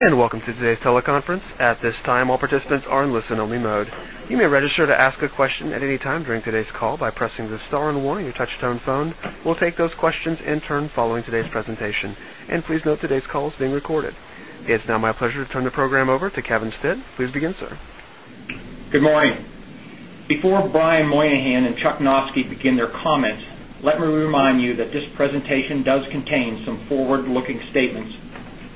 Participants are in listen only mode. We'll And please note today's call is being recorded. It is now my pleasure to turn the program over to Kevin Stitt. Please begin, sir. Good morning. Before Brian Moynihan and Chuck Noske begin their comments, let me remind you that this presentation does contain some forward looking statements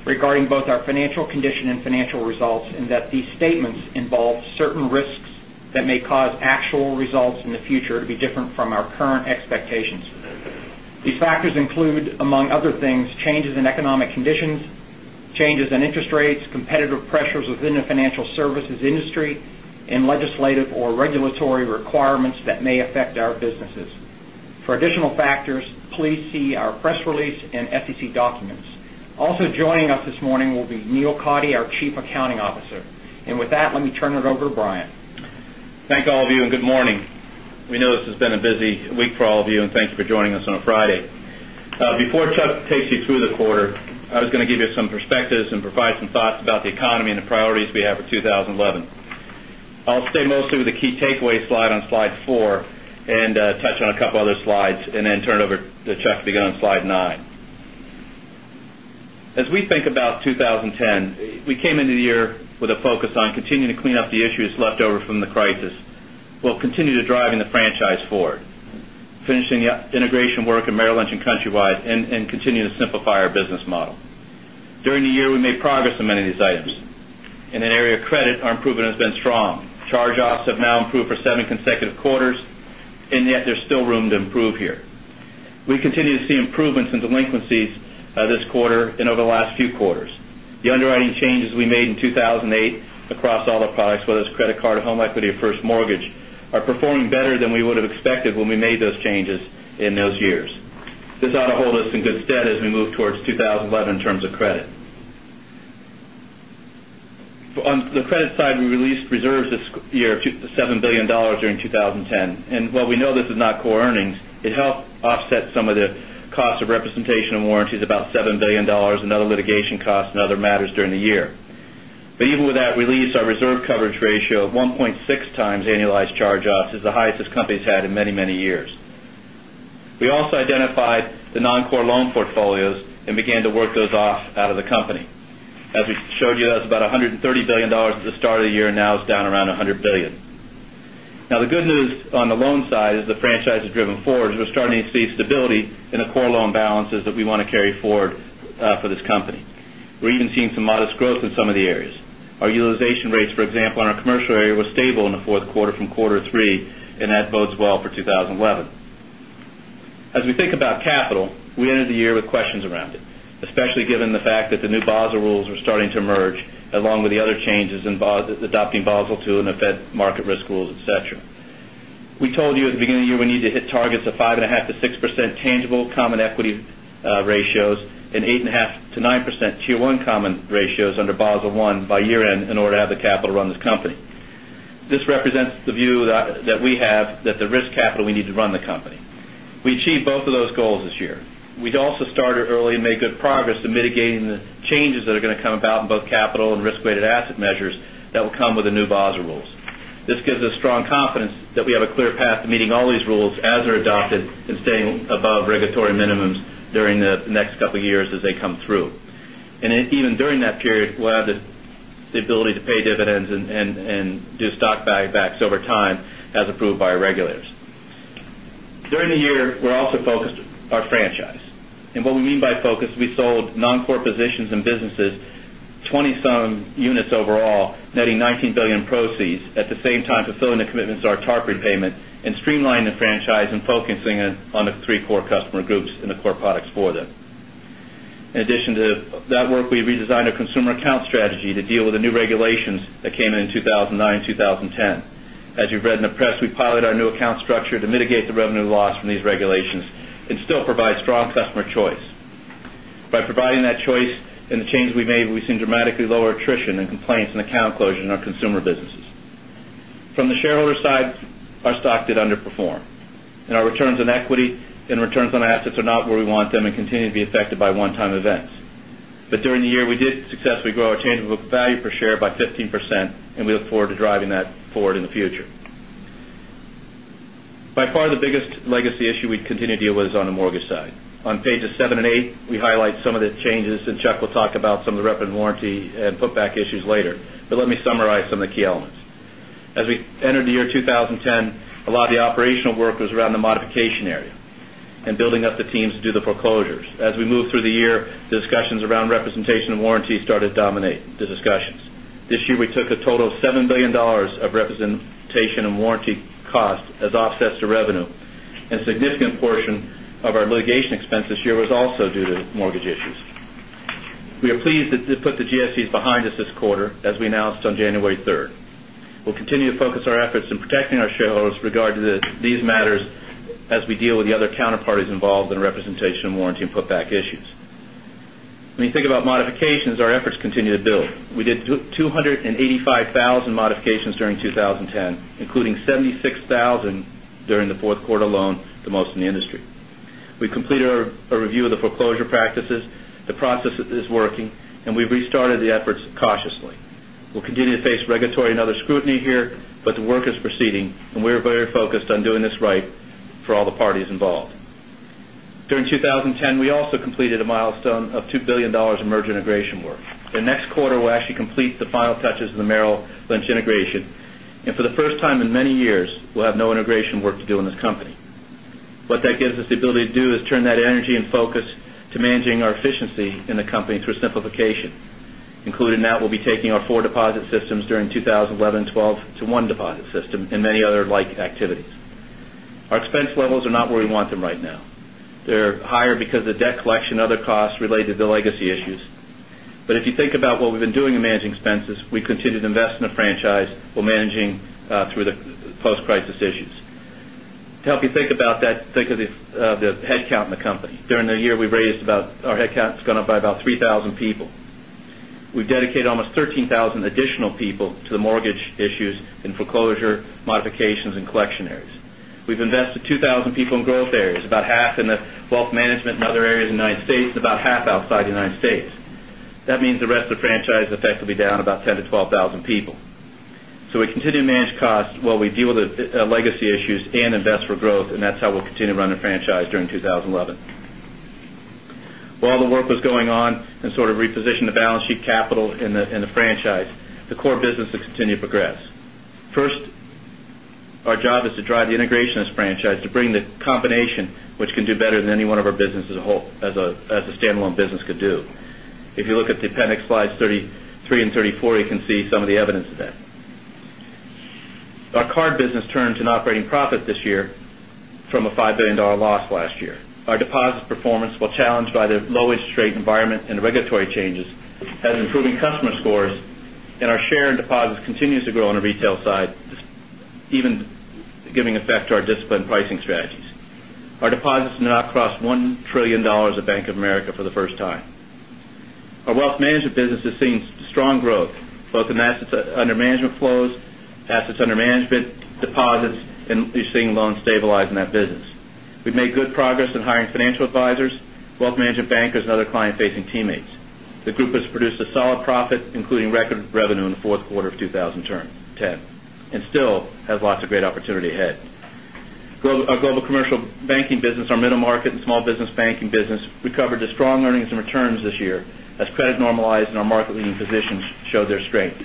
regarding both our financial condition and financial results and that these statements involve certain risks that may cause actual results in the future to be different from our current expectations. These factors include, among other things, changes in economic conditions, changes in interest rates, competitive pressures within the financial services industry, and legislative or regulatory requirements that may affect our businesses. For additional factors, see our press release and SEC documents. Also joining us this morning will be Neil Coddy, our Chief Accounting Officer. And with that, let me turn it over to Brian. Thank you all of you and good morning. We know this has been a busy week for all of you and thank you for joining us on a Friday. Before Chuck takes you through the quarter, I was going to give you some perspectives and provide some thoughts about the economy and the priorities we have for 2011. I'll stay mostly with the key takeaway slide on Slide 4 and touch on a couple of other slides and then turn it over to Chuck to begin on Slide 9. As we think about 2010, we came into the year with a focus on continuing to clean up the issues left over from the crisis while continuing to driving the franchise forward, finishing the integration work at Merrill Lynch and Country Wise and continuing to simplify our business model. During the year, we made progress on many of these items. In an area of credit, our improvement has been strong. Charge offs have now improved for 7 consecutive quarters and yet there's still room to improve here. We continue to see improvements in delinquencies this quarter and over the last few quarters. The underwriting changes we made in 2,008 across all the products, whether it's credit card, home equity or first mortgage, are performing better than we would have expected when we made those changes in those years. This ought to hold us in good stead as we move towards 2011 in terms of credit. On the credit side, we released reserves this year of $7,000,000,000 during 20 10. And while we know this is not core earnings, it helped offset some of the cost of representation of warranties about $7,000,000,000 in other litigation costs and other matters during the year. But even with that release, our reserve coverage ratio of 1.6 times annualized charge offs is the highest this company had in many, many years. We also identified the non core loan portfolios and began to work those off out of the company. As we showed you, that's about $130,000,000,000 at the start of the year and now it's down around $100,000,000,000 Now the good news on the loan side driven forward as we're starting to see stability in the core loan balances that we want to carry forward for this company. We're even seeing some modest growth in some of the areas. Our utilization rates, for example, on our commercial area was stable in the Q4 from quarter 3 and that bodes well for 2011. As we think about capital, we ended the year with questions around it, especially given the fact that the new Basel rules are starting to emerge along with the other changes in adopting Basel II and the Fed market risk rules, etcetera. We told you at the beginning of the year we need to hit targets of 5.5% to 6 percent tangible common equity ratios and 8.5% to 9% Tier 1 common ratios under Basel I by year end in order to have the capital to run this company. This represents the view that we have that the risk capital we need to run the company. We achieved both of those goals this year. We'd also started early and made good progress to mitigating the changes that are going to come about in both capital and risk weighted asset measures that will come with the new VASA rules. This gives us strong confidence that we have a clear path to meeting all these rules as they're adopted and staying above regulatory minimums during the next couple of years as they come through. And even during that period, we'll have the ability to pay dividends and do buybacks over time as approved by our regulators. During the year, we're also focused our franchise. And what we mean by focus, we sold non core positions and businesses, 20 some units overall, netting $19,000,000,000 proceeds, at the same time fulfilling the commitments to our TARPU payment and streamlining the franchise and focusing on the 3 core customer groups and the core products for them. In addition to that work, we redesigned our consumer account strategy to deal with the new regulations that came in, in 2,009, 2010. As you've read in the press, we piloted our new account structure to mitigate the revenue loss from these regulations and still provide strong customer choice. By providing that choice and the change we made, we seen dramatically lower attrition and complaints and account closure in our consumer businesses. From the shareholder side, our stock did underperform. And our returns on equity and returns on assets are not where we want them and continue to be affected by one time events. But during the year, we did successfully grow our change of value per share by 15% and we look forward to driving that forward in the future. By far the biggest legacy issue we continue to deal with is on the mortgage side. On Pages 78, we highlight some of the changes and Chuck will talk about some of the rep and warranty and put back issues later. But let me summarize some of the key elements. As we entered the year 20 10, a lot of the operational work was around the modification area and building up the teams to do the foreclosures. As we move through the year, discussions around representation and warranty started to dominate the discussions. This year, we took a total of $7,000,000,000 of representation and warranty costs as offsets to revenue. And significant portion of our litigation expense this year was also due to mortgage issues. We are pleased that they put the GSEs behind us this quarter as we announced on January 3rd. You When you think about modifications, our efforts continue to build. We did 285,000 modifications during 2010, including 76 1,000 during the Q4 alone, the most in the industry. We completed a review of the foreclosure practices. The process is working and we've restarted the efforts cautiously. We'll continue to face regulatory and other scrutiny here, but the work is proceeding and we are very focused on doing this right for all the parties involved. During 2010, we also completed a milestone of $2,000,000,000 of merger integration work. The next quarter we'll actually complete the final touches of the Merrill Lynch integration. And for the first time in many years, we'll have no integration work to do in this company. What that gives us the ability to do is turn that energy and focus to managing our simplification. Included in that, we'll be taking our 4 deposit systems during 2011, 2012 to 1 deposit system and many other like activities. Our expense levels are not where we want them right now. They're higher because of debt collection and other costs related to legacy issues. But if you think about what we've been doing in managing expenses, we continue to invest in the franchise while managing through the post crisis issues. To help you think about that, think of the headcount in the company. During the year, we've raised about our headcount has gone up by about 3,000 people. Modifications and collection areas. We've invested 2,000 people in growth areas, about half in the wealth management and other areas in the United States and about half outside the United States. That means the rest of the franchise effect will be down about 10000 to 12000 people. So we continue to manage costs while we deal with the legacy issues and invest and sheet capital in the franchise, the core business has continued to progress. First, our job is to drive the integration of this franchise to bring the combination, which can do better than any one of our business as a standalone business could do. If you look at the appendix Slides 3334, you can see some of year. Our deposits performance, while challenged by the low interest rate environment and regulatory changes, has improving customer scores and our share in deposits continues to grow on the retail side even giving effect to our disciplined pricing strategies. Our deposits did not cross $1,000,000,000,000 of Bank of America for the first time. Our wealth management business is seeing strong growth, both in assets under management flows, assets under management, deposits and leasing loans stabilize in that business. We've made good progress in hiring financial advisors, wealth management bankers and other client facing teammates. The group has produced a solid profit including record revenue in the Q4 of 2010 and still has lots of great opportunity ahead. Our Global Commercial Banking business, our middle market and small business banking business recovered to strong earnings and returns this year as credit normalized and our market leading positions showed their strength.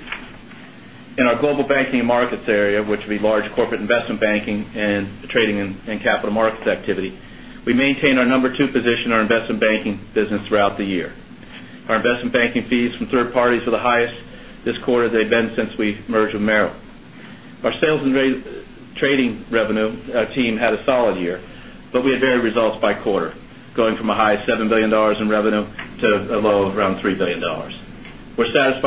In our global banking and markets area, which would be large corporate investment banking and trading and capital markets activity, we maintained our number 2 position in our investment banking business throughout the year. Our investment banking fees from 3rd parties were the highest this quarter they've been since we merged with Merrell. Our sales and trading revenue team had a solid year, but we had very results by quarter, going from a high $7,000,000,000 in revenue to a low of around $3,000,000,000 We're 10,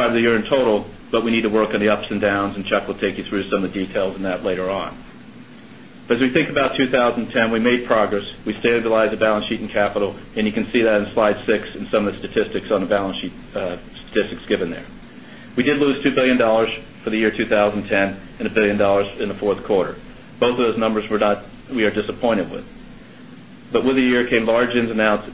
10, we made progress. We stabilized the balance sheet and capital and you can see that in Slide 6 and some of the statistics on the balance sheet statistics given there. We did lose $2,000,000,000 for the year $2010,000,000,000 in the 4th quarter. Both of those numbers were not we are disappointed with. But with the year came large ins announced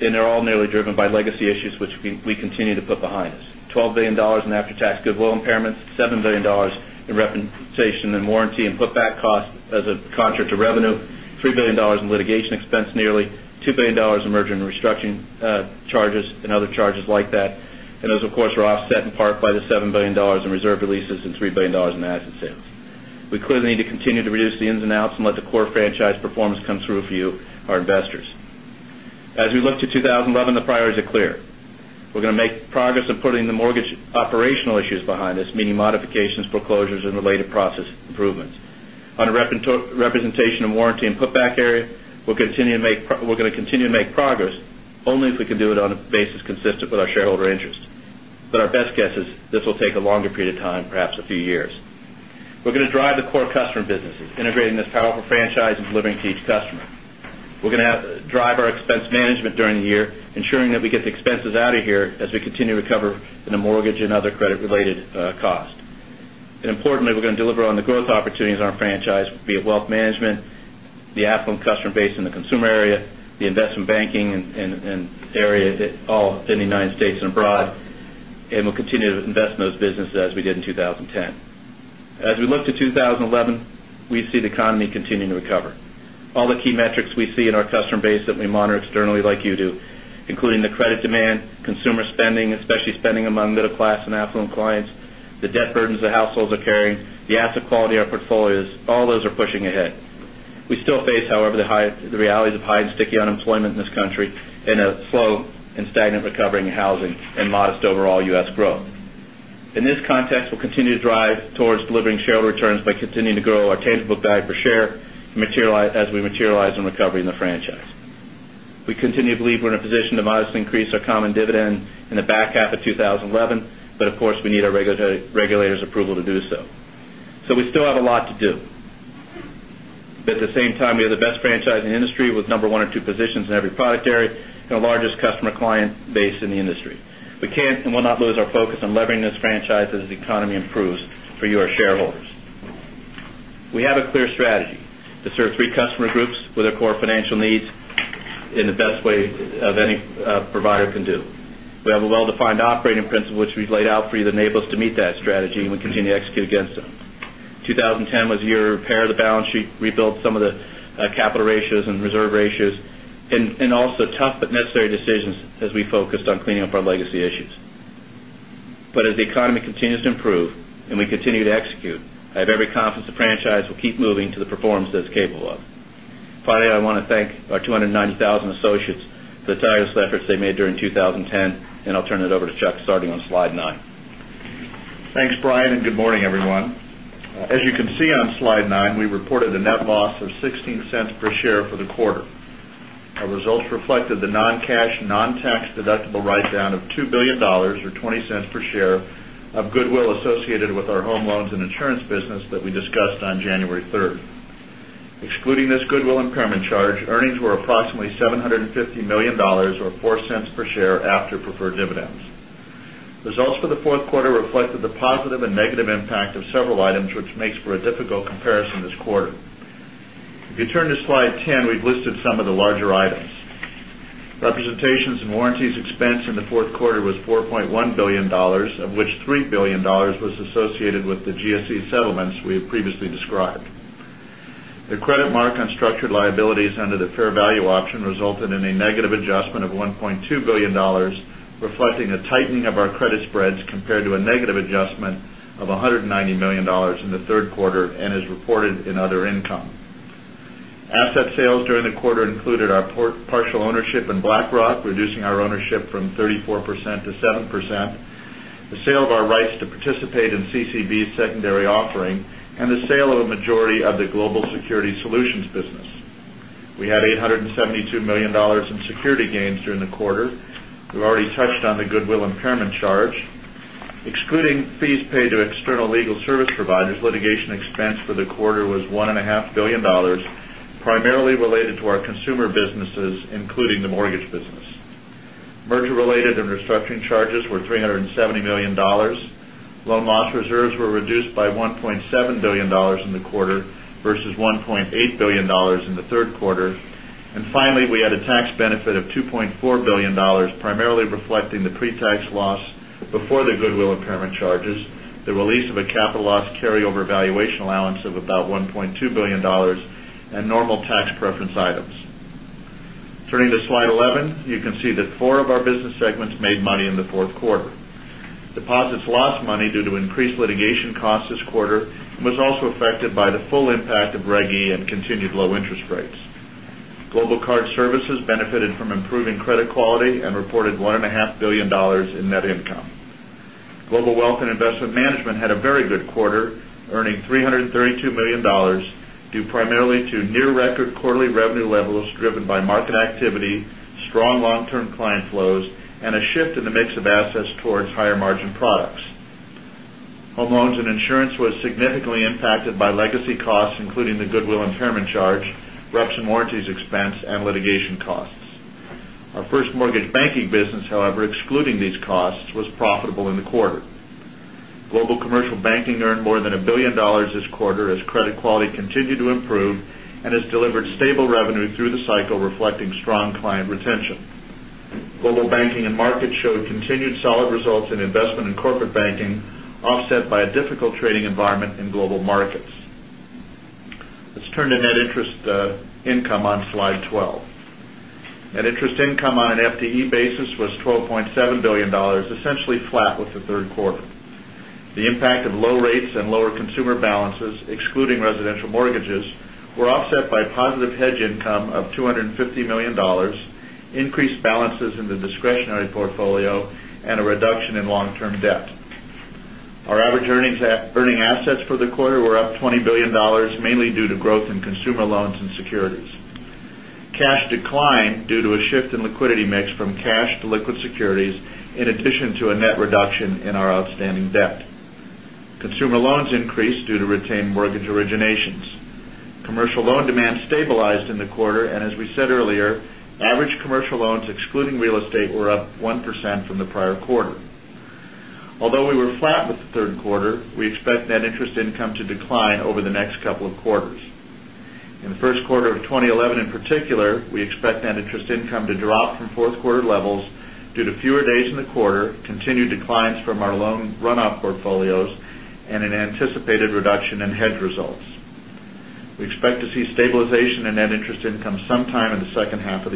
and they're all nearly driven by legacy issues, which we continue to put behind us. Dollars 12,000,000,000 in after tax goodwill impairments, dollars 7,000,000,000 in representation and warranty and back costs as a contract to revenue, dollars 3,000,000,000 in litigation expense, nearly $2,000,000,000 in merger and restructuring charges and other charges like that. And those of course were offset in part by the $7,000,000,000 in reserve releases and $3,000,000,000 in asset sales. We clearly need to continue to reduce the ins and outs and let the core franchise performance come through for you, our investors. As we look to 2011, the priorities are clear. We're going to make progress in putting the mortgage operational issues behind us, meaning modifications, foreclosures and related process improvements. On a representation of warranty and put back area, we're going to make progress only if we can do it on a basis consistent with our shareholder interest. But our best guess is this will take a longer period of time, perhaps a few years. We're going to drive the core customer business, integrating this powerful franchise and delivering to each customer. We're going to drive our expense management during the year, ensuring the expenses out of here as we continue to recover in the mortgage and other credit related costs. And importantly, we're going to deliver on the growth opportunities in our franchise, be it wealth management, the affluent affluent customer base in the consumer area, the investment banking areas all within the United States and abroad, and we'll continue to invest in those businesses as we did in 2010. As we look to 2011, we see the economy continue to recover. All the key metrics we see in our customer base that we monitor externally like you do, including the credit demand, consumer spending, especially spending among middle class and affluent clients, the debt burdens the households are carrying, the asset quality of our portfolios, all those are pushing ahead. We still face however the realities of high and sticky unemployment in this country and a slow and stagnant recovery in housing and modest overall U. S. Growth. In this context, we'll continue to drive towards delivering shareholder returns by continuing to grow our tangible guide per share as we materialize in recovery in the franchise. We continue to believe we're in a position to modestly increase our common dividend in the back half of twenty eleven, but of course we need our regulators' approval to do so. So we still have a lot to do. But at the same time, we have the best franchise in the industry with number 1 or 2 positions in every product area and the largest customer client base in the industry. We can't and will not lose our focus on levering this franchise as the economy 2010 was the year to repair the balance sheet, rebuild some of the capital ratios and reserve ratios and also tough but necessary decisions as we focused on cleaning up our legacy issues. But as the economy continues to improve and we continue to execute, I have every confidence the franchise will keep moving to the performance that it's capable of. Finally, I want to thank our 290,000 associates for the tireless efforts they made during 2010, and I'll turn it over to Chuck starting on slide 9. Thanks, Brian, and good morning, everyone. As you can see on Slide 9, we reported a net loss of $0.16 per share for the quarter. Our results reflected the non cash, non tax deductible write down of $2,000,000,000 or $0.20 per share of goodwill associated with our home loans and insurance business that we discussed on January 3rd. Excluding this goodwill impairment charge, earnings were approximately 750 $1,000,000 or $0.04 per share after preferred dividends. Results for the 4th quarter reflected the positive and negative impact of several items, which makes for a difficult comparison this quarter. If you turn to Slide 10, we've listed some of the larger items. The credit mark on structured liabilities under the fair value option resulted in a negative adjustment of $1,200,000,000 reflecting a tightening of our credit spreads compared to a negative adjustment of $190,000,000 in the 3rd quarter and as reported in other income. Asset sales during the quarter included our partial ownership in BlackRock, reducing our ownership from 34% to 7% majority of the Global Security Solutions business. And the sale of a majority of the Global Security Solutions business. We had $872,000,000 in security gains during the quarter. Already touched on the goodwill impairment charge. Excluding fees paid to external legal service providers, litigation expense for the quarter was $1,500,000,000 primarily related to our consumer businesses, including the mortgage business. Merger related and restructuring charges were $370,000,000 loan loss reserves were reduced by $1,700,000,000 in the quarter versus 1,800,000,000 in the Q3. And finally, we had a tax benefit of $2,400,000,000 primarily reflecting the pre tax loss before the goodwill impairment charges, the release of a capital loss carryover valuation allowance of about $1,200,000,000 and normal tax preference items. Turning to Slide 11, you can see that 4 of our business segments made money in the 4th quarter. Deposits lost money due to increased litigation costs this quarter and was also affected by the full impact of Reg E and continued low interest rates. Global Card Services benefited from improving credit quality and reported 1,500,000,000 dollars in net income. Global Wealth and Investment Management had a very good quarter, earning $332,000,000 primarily to near record quarterly revenue levels driven by market activity, strong long term client flows and a shift in the mix of assets towards higher margin products. Home loans and insurance was significantly impacted by legacy costs, including the goodwill impairment charge, reps and warranties and litigation costs. Our 1st mortgage banking business, however, excluding these costs was profitable in the quarter. Global Commercial Banking earned more than $1,000,000,000 this quarter as credit quality continued to improve and has delivered stable revenue through the cycle reflecting strong client retention. Global Banking and Markets showed continued solid results in investment in corporate banking, offset by a difficult trading environment in global markets. Let's turn to net interest income on Slide 12. Net interest income on an FTE basis was $12,700,000,000 essentially flat with the 3rd quarter. The impact of low rates and lower consumer balances, excluding residential mortgages, were offset by positive hedge income of $250,000,000 increased balances in the discretionary portfolio and a reduction in long term debt. Our average earning assets for the quarter were up $20,000,000,000 mainly due to growth in consumer loans and securities. Cash declined due to a shift in liquidity mix from cash to liquid securities in addition to a net reduction in our outstanding debt. Consumer loans increased due to retained mortgage originations. Commercial loan demand stabilized in the quarter and as we said earlier, average commercial loans excluding real estate were up 1% from the prior quarter. Although we were flat with the 3rd quarter, we expect net interest income to decline over the next couple of quarters. In the Q1 of 2011 in particular, we expect net interest income to drop from 4th quarter levels due to fewer days in the quarter, continued of the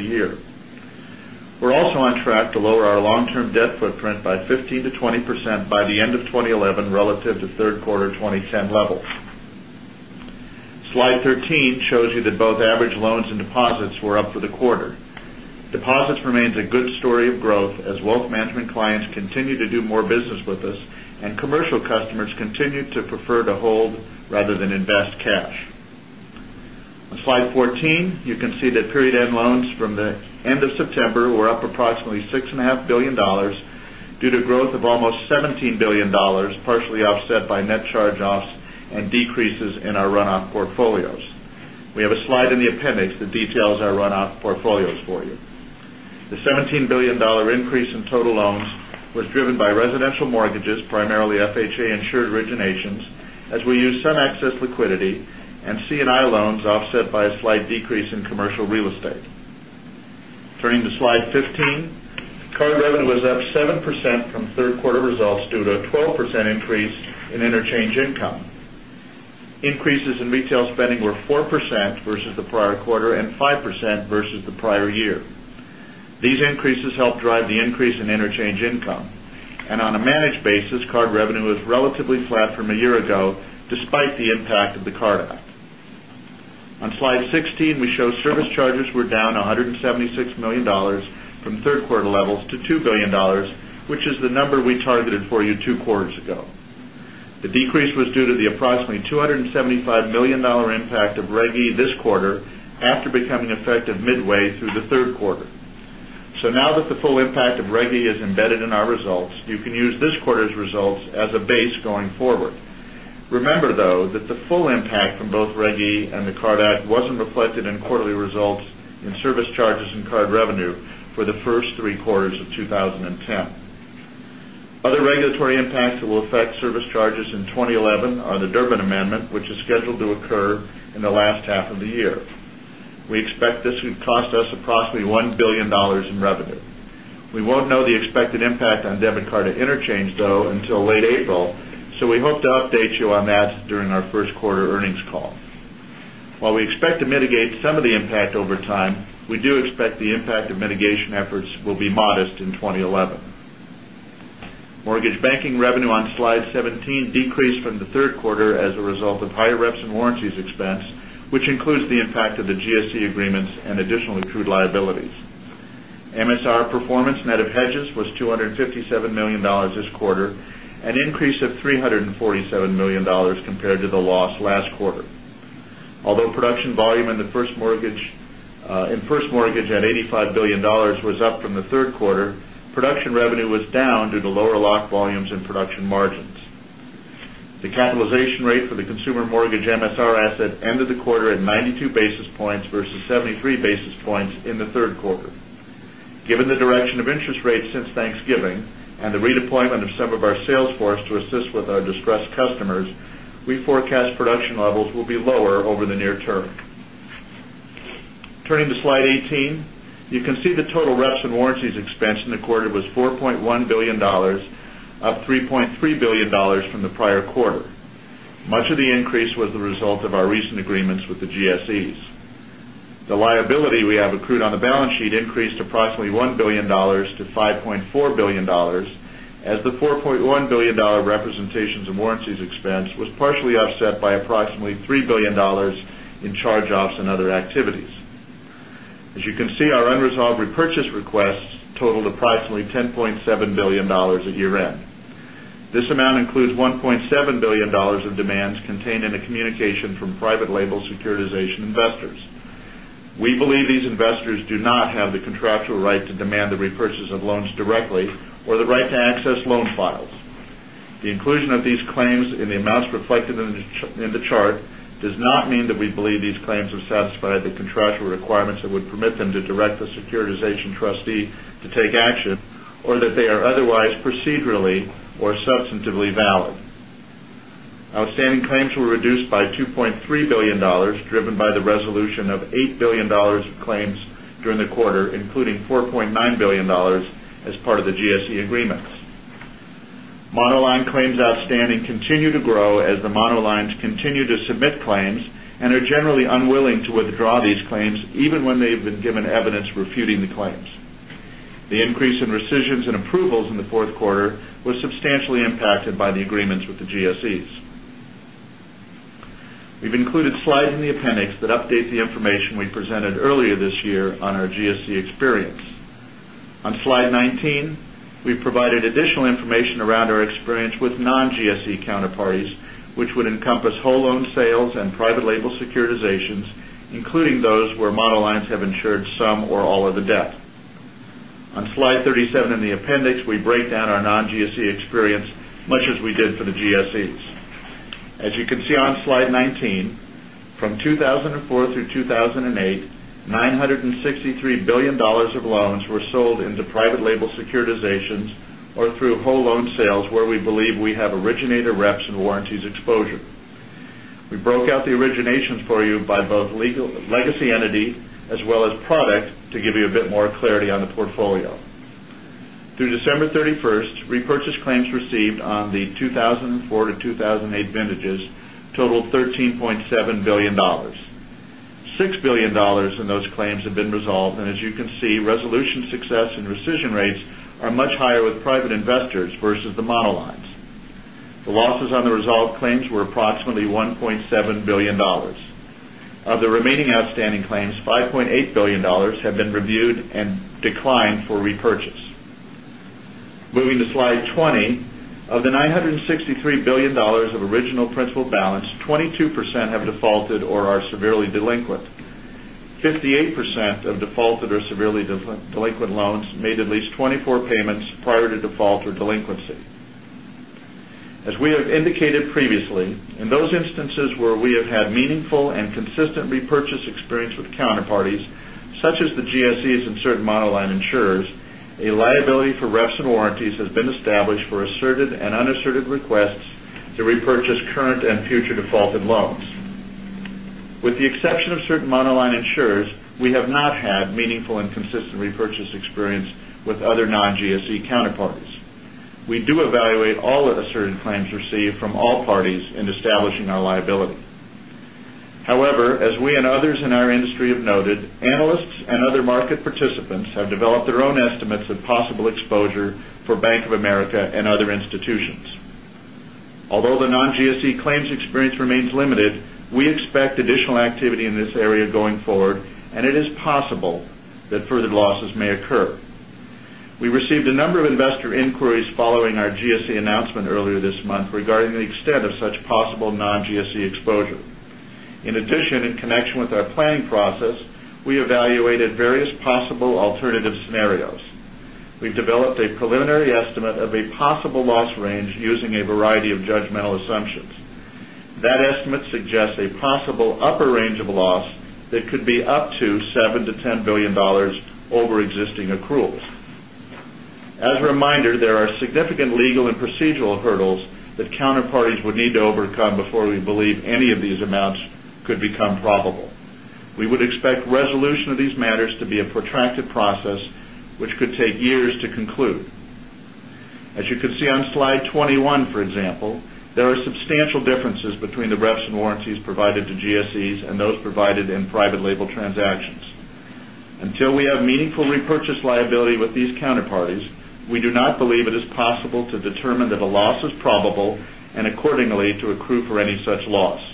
year. We're also on track to lower our long term debt footprint by 15% to 20% by the end of 2011 relative to Q3 2010 level. Slide 13 shows you that both average loans and deposits were up for the quarter. Deposits remains a good story of growth as Wealth Management clients continue to do more business with us and commercial customers continue to prefer to hold rather than were up approximately $6,500,000,000 due to growth of almost $17,000,000,000 partially offset by net charge offs and decreases in our runoff portfolios. We have a slide in the appendix that details our runoff portfolios for you. The $17,000,000,000 increase in total loans was driven by residential mortgages, primarily FHA insured originations, as we used Sun Access liquidity and C and I loans offset by a slight decrease in commercial real estate. Turning to Slide 15. Card revenue was up 7% from 3rd quarter results due to a 12% increase in interchange income. Increases in retail spending were 4% versus the prior quarter and 5% versus the prior year. These the impact of the Card Act. On Slide 16, we show service charges were down $176,000,000 from 3rd quarter levels to $2,000,000,000 which is the number we targeted for you 2 quarters ago. The decrease was due to the approximately 2 $75,000,000 impact of Reg E this quarter after becoming effective midway through the Q3. So now that the full impact of Reg E is embedded in our results, you can use this quarter's results as a base going forward. Remember though that the full impact from both Reg E and the Card Act was reflected in quarterly results in service charges and card revenue for the 1st 3 quarters of impacts that will affect service charges in 2011 are the Durbin Amendment, which is scheduled to occur in the last half of the year. We expect this would cost us approximately $1,000,000,000 in revenue. We won't know the expected impact on debit card at interchange though until late April, so we hope to update you on that during our Q1 earnings call. While we expect to mitigate some of the impact over time, we do expect the impact the impact of mitigation efforts will be modest in 2011. Mortgage Banking revenue on Slide 17 decreased from the Q3 as a result of higher reps and warranties expense, which includes the impact of the GSE agreements and additional accrued liabilities. MSR performance net of hedges was 2 $57,000,000 this quarter, an increase of $347,000,000 compared to the loss last quarter. Although production volume in 1st mortgage at $85,000,000,000 was up from the 3rd quarter, production revenue was down due to lower and production margins. The capitalization rate for the consumer mortgage MSR asset ended the quarter at 92 basis points versus 73 basis points in the 3rd quarter. Given the direction of interest rates since Thanksgiving and the redeployment of some of our sales force to assist with our distressed customers, we forecast production levels will be lower over the near term. Turning to Slide 18, you can see the total reps and warranties expense in the quarter was $4,100,000,000 up $3,300,000,000 from the prior quarter. Much of the increase was the result of our recent agreements with the GSEs. The liability we have accrued on the balance sheet increased approximately $1,000,000,000 to 5 point $4,000,000,000 as the $4,100,000,000 representations of warranties expense was partially offset by approximately $3,000,000,000 in charge offs and other activities. As you can see, our unresolved repurchase requests totaled approximately $10,700,000,000 at year end. This amount includes 1 point $7,000,000,000 of demands contained in the communication from private label securitization investors. We believe these do not have the contractual right to demand the repurchase of loans directly or the right to access loan files. The inclusion of these claims in the amounts reflected in the chart does not mean that we believe these claims are satisfied with the contractual requirements that would permit them to direct the securitization trustee to take action or that they are otherwise procedurally or substantively valid. Outstanding claims were reduced by $2,300,000,000 driven by the resolution of $8,000,000,000 of claims during the quarter, including $4,900,000,000 as part of the GSE agreements. Monoline claims outstanding continue to grow as the monoline's continue to submit claims and are generally unwilling to withdraw these claims even when they've been given evidence refuting the claims. The increase in rescissions and approvals in the 4th quarter was substantially impacted by the agreements with the GSEs. We've included slides in the appendix that update the information the information we presented earlier this year on our GSE experience. On Slide 19, we've provided additional information around our experience with non GSE counterparties, which would encompass whole loan sales and private label securitizations, including those where model lines have insured some or all of the debt. On Slide 37 in the appendix, we break down our non GSE experience much as we did for the GSEs. As you can see on Slide 19, from 2004 through 2,008, dollars 963,000,000,000 of loans were sold into private label securitizations or through whole loan sales where we believe we have originated reps and warranties exposure. We broke out the originations for you by both legacy entity as well as product to give you a bit more clarity on the portfolio. Through December 31, repurchase claims received the 2004 to 2008 vintages totaled $13,700,000,000 $6,000,000,000 in those claims have been resolved. And as you can see, resolution success and rescission rates are much higher with private investors versus the monologues. The losses on the resolved claims were approximately $1,700,000,000 Of the remaining outstanding claims, dollars 5,800,000,000 have been reviewed declined for repurchase. Moving to Slide 20, of the $963,000,000,000 of original principal balance, 22% have defaulted or are severely delinquent. 58% of defaulted or severely delinquent loans made at least 24 payments prior to default or delinquency. As we have indicated previously, in those instances where we have had meaningful and consistent repurchase experience with counter parties, such as the GSEs and certain monoline insurers, a liability for reps and warranties has been established for not had meaningful and consistent repurchase experience with other non GSE counterparties. We do evaluate all asserted claims received from all parties in establishing our liability. However, as we and others in our industry have noted, analysts and other market participants have developed their own estimates of possible exposure for Bank of America and other institutions. Although the non GSE claims experience remains we expect additional activity in this area going forward and it is possible that further losses may occur. We received a number of investor inquiries following our GSE announcement earlier this month regarding the extent of such possible non GSE exposure. In addition, in connection with our planning process, we evaluated various possible alternative scenarios. We've developed a preliminary estimate of a possible loss range using a variety of judgmental assumptions. That estimate suggests a possible upper range of loss that could be up $7,000,000,000 to $10,000,000,000 over existing accruals. As a reminder, there are significant legal and procedural hurdles that counterparties would need to overcome before we believe any of these amounts could become probable. We would expect resolution of these matters to be a protracted process, which could take years to conclude. As you could see on Slide 21, for example, there are substantial differences between the reps and warranties provided to GSEs and those provided in private label transactions. Until we have meaningful repurchase liability with these counterparties, we do not believe it is possible to determine that a loss is probable and accordingly to accrue for any such loss.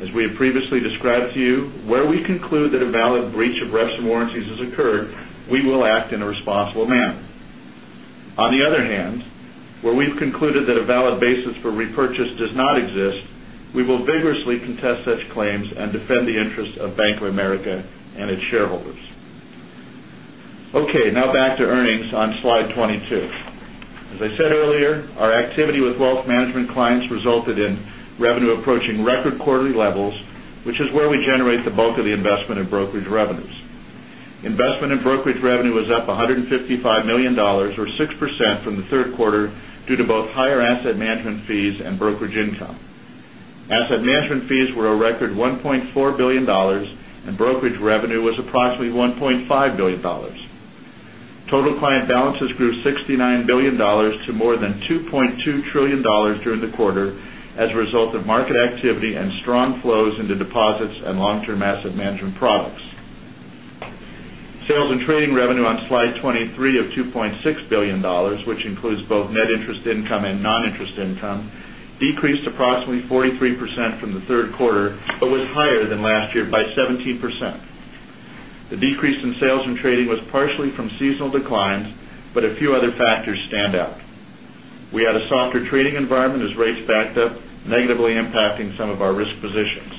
As we have previously described to you, where we conclude that a a breach of reps and warranties has occurred, we will act in a responsible manner. On the other hand, where we've concluded that a valid basis for repurchase does not exist, we will vigorously contest such claims and defend the interest of Bank of America and its shareholders. Okay. Now back to earnings on Slide 22. As I said earlier, our activity with Wealth Management clients resulted in revenue approaching record quarterly levels, which is where we generate the bulk of the investment in brokerage revenues. Investment in brokerage revenue was up 150 $5,000,000 or 6% from the 3rd quarter due to both higher asset management fees and brokerage income. Asset management fees were a management fees were a record $1,400,000,000 and brokerage revenue was approximately 1 point 5 into deposits and long term asset management products. Sales and trading revenue on Slide 23 of $2,600,000,000 which includes both net interest income and non interest income, decreased approximately 43% from the 3rd quarter, but was higher than last year by 17%. The decrease in sales and trading was partially from seasonal declines, but a few other factors stand out. We had softer trading environment as rates backed up, negatively impacting some of our risk positions.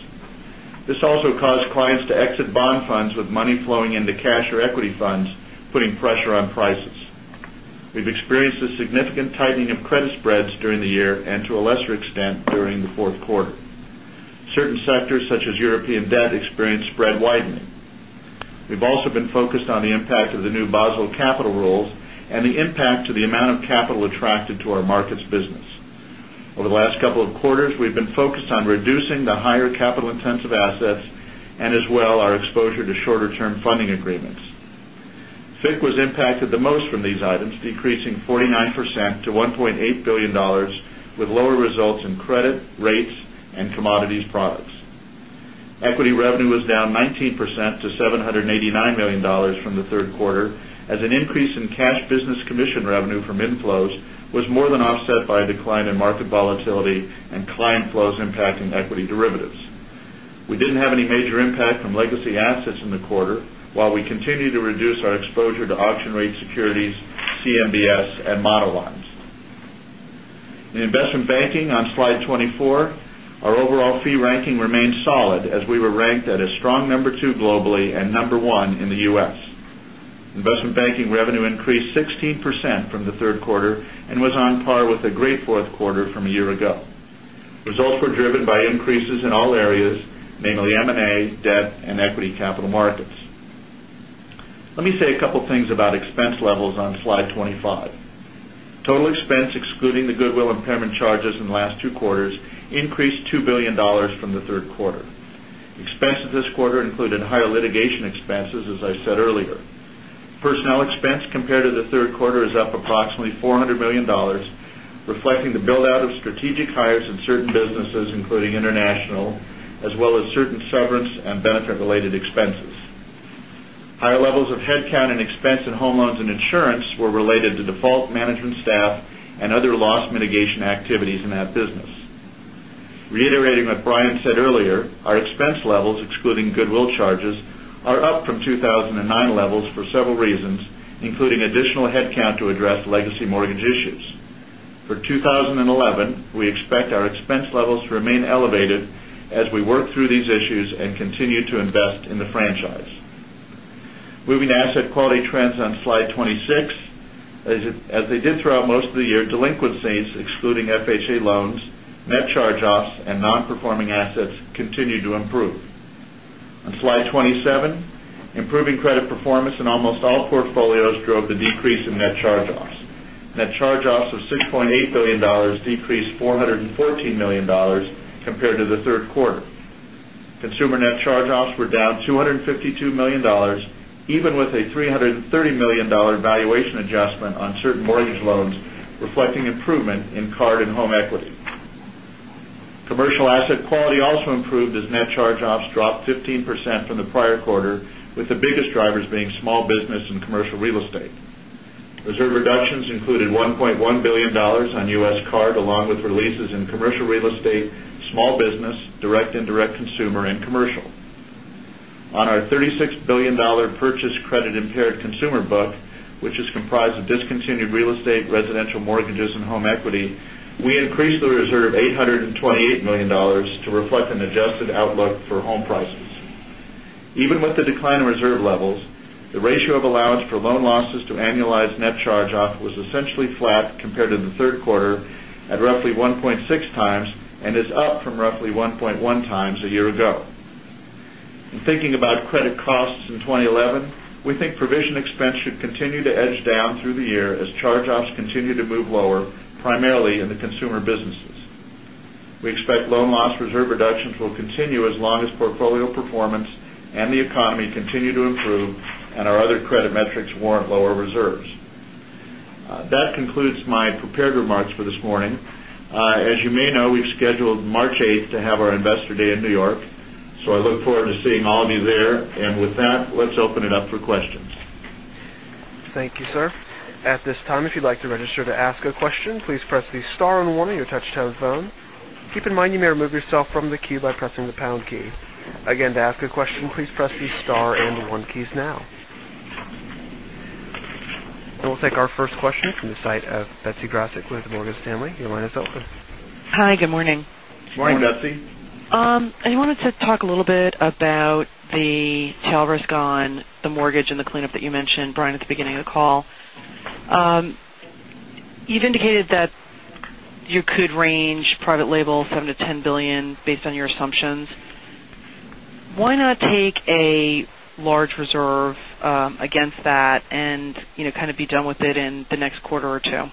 This also caused clients to exit bond funds with money flowing into or equity funds, putting pressure on prices. We've experienced a significant tightening of credit spreads during the year and to a lesser extent during the Q4. Certain sectors such as European debt experienced spread widening. We've also been focused on on the impact of the new Basel capital rules and the impact to the amount of capital attracted to our markets business. Over the last couple of quarters, we've been focused on reducing the higher capital intensive assets and as well our exposure to shorter term funding agreements. FIC was impacted the most from these items, decreasing 49% to 1.8 $1,000,000,000 with lower results in credit, rates and commodities products. Equity revenue was down 19% to 7.80 $9,000,000 from the 3rd quarter as an increase in cash business commission revenue from inflows was more than offset by a decline in market volatility and client flows impacting equity derivatives. We didn't have any major impact from legacy assets in the quarter, while we continue to reduce our exposure to auction rate securities, CMBS and monowinds. In Investment Banking on Slide 24, our overall fee ranking remains solid as we were ranked at a strong number 2 globally and number 1 in the U. S. Investment Banking revenue increased 16% from the 3rd quarter and was on par with a great 4th quarter from a year ago. Results were driven by increases in all areas, namely M and A, Debt and Equity Capital Markets. Let me say a couple of things about expense levels on Slide 25. Total expense excluding the goodwill impairment charges in last two quarters increased $2,000,000,000 from the 3rd quarter. Expenses this quarter included higher litigation expenses, as I said earlier. Personnel expense compared to the Q3 is up approximately $400,000,000 reflecting the build out of strategic hires in certain businesses, including international, as well as certain severance and benefit related expenses. Higher levels of headcount and expense in home loans and insurance were related to default management staff and other loss mitigation activities in that business. Reiterating what Brian said earlier, our expense levels, excluding goodwill charges, are up from 2,009 levels for several reasons, including additional headcount to address legacy mortgage issues. For franchise. Moving to asset quality trends on Slide 26. As they did throughout most of the year, delinquencies excluding FHA loans, net charge offs and non performing assets continued to improve. On Slide 27, improving credit performance in almost all portfolios drove the decrease in net charge offs. Net charge offs of $6,800,000,000 decreased $414,000,000 compared to the Q3. Consumer net charge offs were down 2 $52,000,000 even with a $330,000,000 valuation adjustment on certain mortgage loans, reflecting improvement in card and home equity. Commercial asset quality also improved as net charge offs dropped 15% from the prior quarter, with the biggest drivers being small business and commercial real estate. Reserve reductions included $1,100,000,000 on U. S. Card along with releases in commercial real estate, small business, directindirect consumer and commercial. On our $36,000,000,000 purchase credit impaired consumer book, which is comprised of discontinued real estate, residential mortgages and home equity, we increased the reserve of $828,000,000 to reflect an adjusted outlook for home prices. Even with the decline in reserve levels, the ratio of allowance for loan losses to annualized net charge off was essentially flat compared to the 3rd quarter at roughly 1.6 times and is up from roughly 1.1 times a year ago. In thinking about credit costs in 2011, we think provision expense should continue to edge down through the year as charge offs continue to move lower, primarily in the consumer businesses. Loan loss reserve reductions will continue as long as portfolio performance and the economy continue to improve and our other credit metrics warrant lower reserves. That concludes my prepared remarks for this morning. As you may know, we've scheduled March 8 to have our Investor Day in New York. So I look forward to seeing all of you there. And with that, let's open it up for questions. Thank you, sir. About the tail risk on the mortgage and the cleanup that you mentioned, Brian, at the beginning of the call. You've indicated that you could range private label $7,000,000,000 to $10,000,000,000 based on your assumptions. Why not take a large reserve against that and kind of be done with it in the next quarter or 2?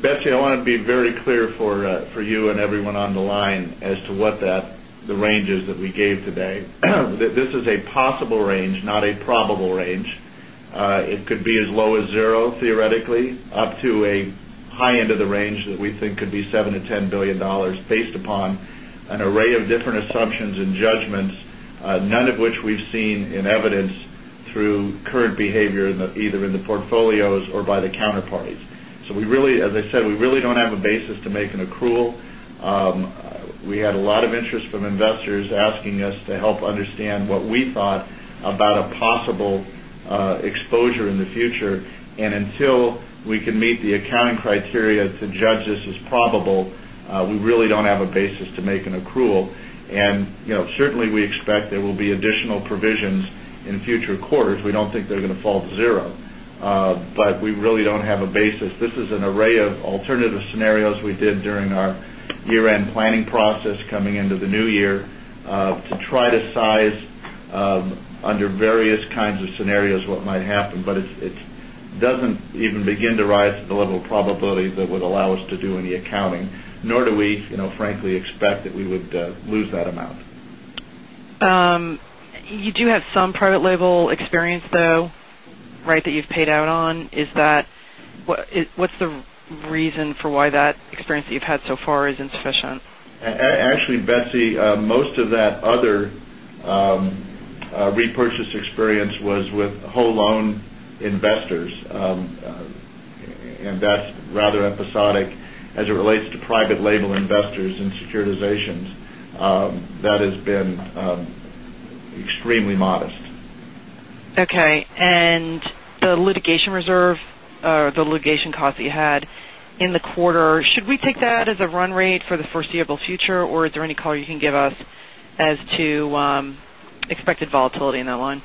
Betsy, I want to be very clear for you and everyone on the line as to what that the range is that we gave today. This is a possible range, not a probable range. It could be as low as 0 theoretically up to a high end of the range that we think could be $7,000,000,000 to $10,000,000,000 based upon an array of different assumptions and judgments, none of which we've seen in evidence through current behavior either in the portfolios or by the counterparties. So we really as I said, we really don't have a basis to make an accrual. We had a lot of interest from investors asking us to help understand what we thought about a possible exposure in the future. And until we can meet the accounting criteria to judge this as probable, we really don't have a basis to make an accrual. And certainly, we expect there will be additional provisions in future quarters. We don't think they're going to fall to 0. But we really don't have a basis. This is an array of alternative scenarios we did during our year end planning process coming into the new year to try to rise to level of probability that would allow us to do any accounting nor do we frankly expect that we would lose that amount. You do have some private label experience though right that you've paid out on. Is that what's the reason for why that experience that you've had so far is insufficient? Actually, Betsy, most of that other repurchase experience was with whole loan investors and that's rather episodic as it relates to private label investors and securitizations. That has been extremely modest. Okay. And the litigation reserve or the litigation costs that you had in the quarter, should we take that as a run rate for the foreseeable future? Or is there any color you can give us as to expected volatility in that line?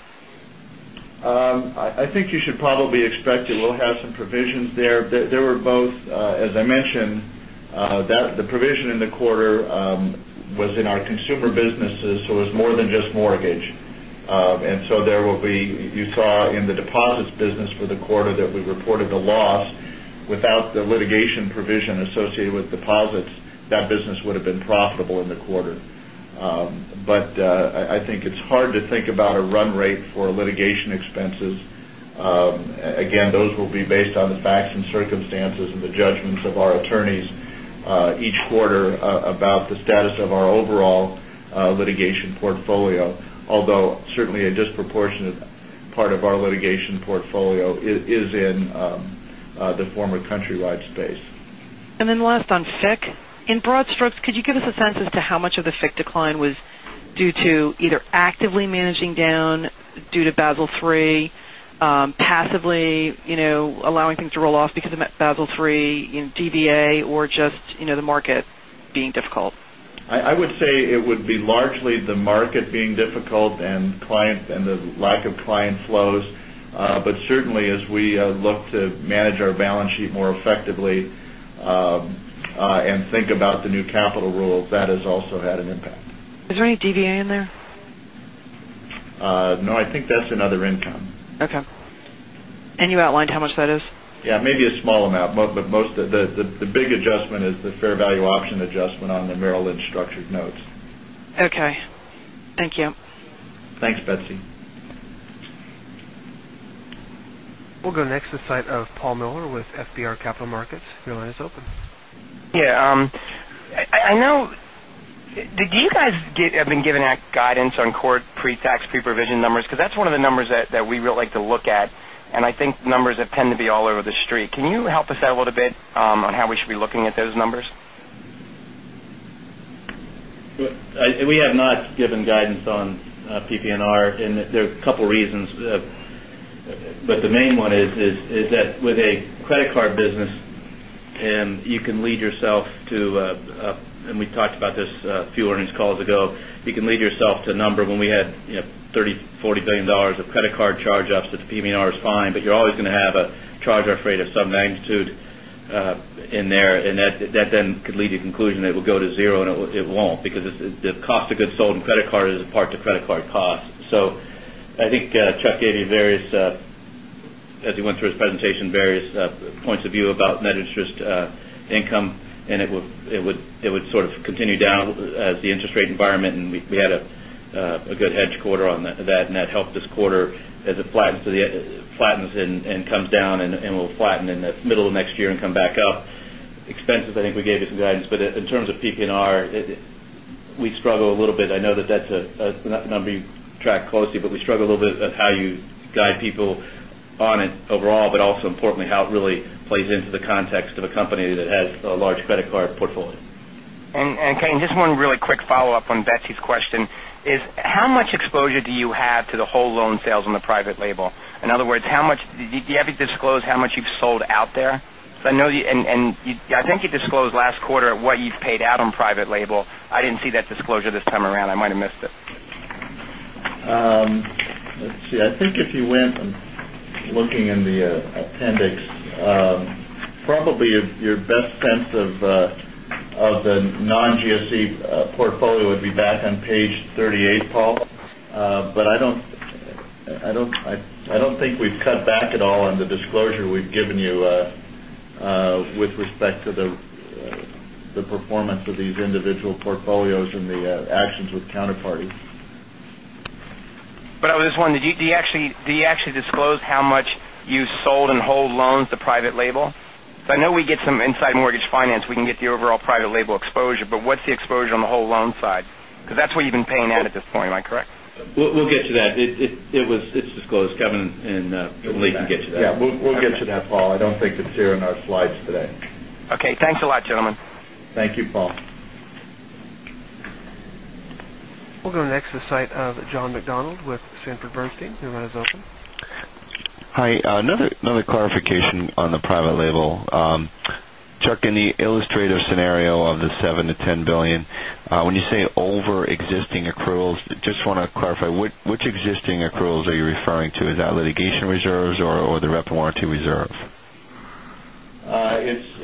I think you should probably expect it will have some provisions there. There were both, as I mentioned, that the provision in the quarter was in our consumer businesses. So, it was more than just mortgage. And so, there will be you saw in the deposits business for the quarter that we reported a loss without the litigation provision associated with deposits, that business would have been profitable in the quarter. But I think it's hard to think about a run rate for litigation expenses. Again, those will be based on the facts and circumstances and the judgments of our attorneys each quarter about the status of our overall litigation portfolio. Although certainly a disproportionate part of our litigation portfolio is in the former Countrywide space. And then last on FICC. In broad strokes, could you give us a sense as to how much of the FICC decline was due to either actively managing down due to Basel III, passively allowing things to roll off because of that Basel III DDA or just the market being difficult? I would say it would be largely the market being difficult and client and the lack of client flows. But certainly as we look to manage our balance sheet more effectively and think about the new capital rules, that has also had an impact. Is there any DVA in there? No, I think that's another income. Okay. And you outlined how much that is? Yes, maybe a small amount, but most of the big adjustment is the fair value option adjustment on the Merrill Lynch structured notes. Okay. Thank you. Thanks, Betsy. We'll go next to the site of Paul Miller with FBR Capital Markets. Your line is open. Yes. I know did you guys have been given guidance on core pre tax pre provision numbers because that's one of the numbers that we really like to look at and I think numbers that tend to be all over the street. Can you help us out a little bit on how we should be looking at those numbers? We have not given guidance on PPNR and there are a couple of reasons. But the main one is that with a credit card business and you can lead yourself to and we talked about this a few earnings calls ago, you can lead yourself to a number when we had $30,000,000,000 $40,000,000,000 of credit card charge offs that the PM and R is fine, but you're always going to have a charge off rate of some magnitude in there. And that then could lead to conclusion that it will go to 0 and it won't because the cost of goods sold in credit card is a part of credit card costs. So I think Chuck gave you various as he went through his presentation various points of view about net interest income and it would sort of continue down as the interest rate environment and we had a good hedge quarter on that and that helped this quarter as it flattens and comes down and will flatten in the middle of next year and come back up. Expenses, I think we gave you some guidance. But in terms of PPNR, we struggle a little bit. I know that that's a number you track closely, but we struggle a little bit at how you guide people on it overall, but also importantly how it really plays into the context of a company that has a large credit card portfolio. And Kean, just one really quick follow-up on Betsy's question is how much exposure do you have to the whole loan sales on the private label? In other words, how much do you have to disclose how much you've sold out there? So I know and I disclosed last quarter what you've paid out on private label. I didn't see that disclosure this time around. I might have missed it. Let's see. I think if you went looking in the appendix, probably your best sense of the non GSE portfolio would be back on Page 38, Paul. But I don't think we've cut back at all on the disclosure we've given you with respect to the performance of these individual portfolios and the actions with counterparties. But I was just wondering, do you actually disclose how much you sold and hold loans to private label? So I know we get some inside mortgage finance, we can get the overall private label exposure, but what's the exposure on the whole loan side? Because that's what you've been paying out at this point, am I correct? We'll get to that. It was it's disclosed Kevin and Lee can get to that. Yes, we'll get you that Paul. I don't think it's here in our slides today. Okay. Thanks a lot gentlemen. Thank you Paul. We'll go next to the site of John McDonald with Sanford Bernstein. Your line is open. Hi. Another clarification on the private label. Chuck, in the illustrative scenario of the $7,000,000,000 to $10,000,000,000 when you say over existing accruals, just want to clarify which existing accruals are you referring to? Is that litigation reserves or the rep and warranty reserve?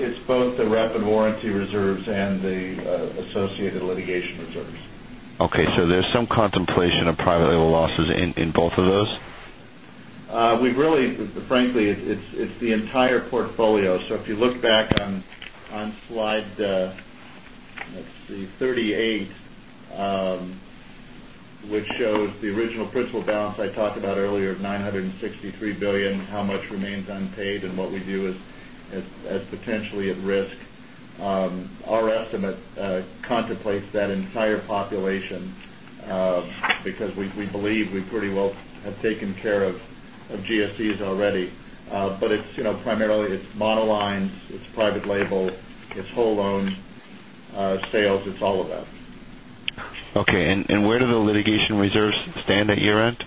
It's both the rep and warranty reserves and the associated litigation reserves. Okay. So there's some contemplation of private label losses in both of those? We've really frankly, it's the entire portfolio. So if you look back on slide 38, which shows the original principal balance I talked about earlier of 963 $1,000,000,000 how much remains unpaid and what we do as potentially at risk. Our estimate GSEs GSEs already. But it's primarily it's monoline, it's private label, it's whole loan sales, it's all of that. Okay. And where do the litigation reserves stand at year end?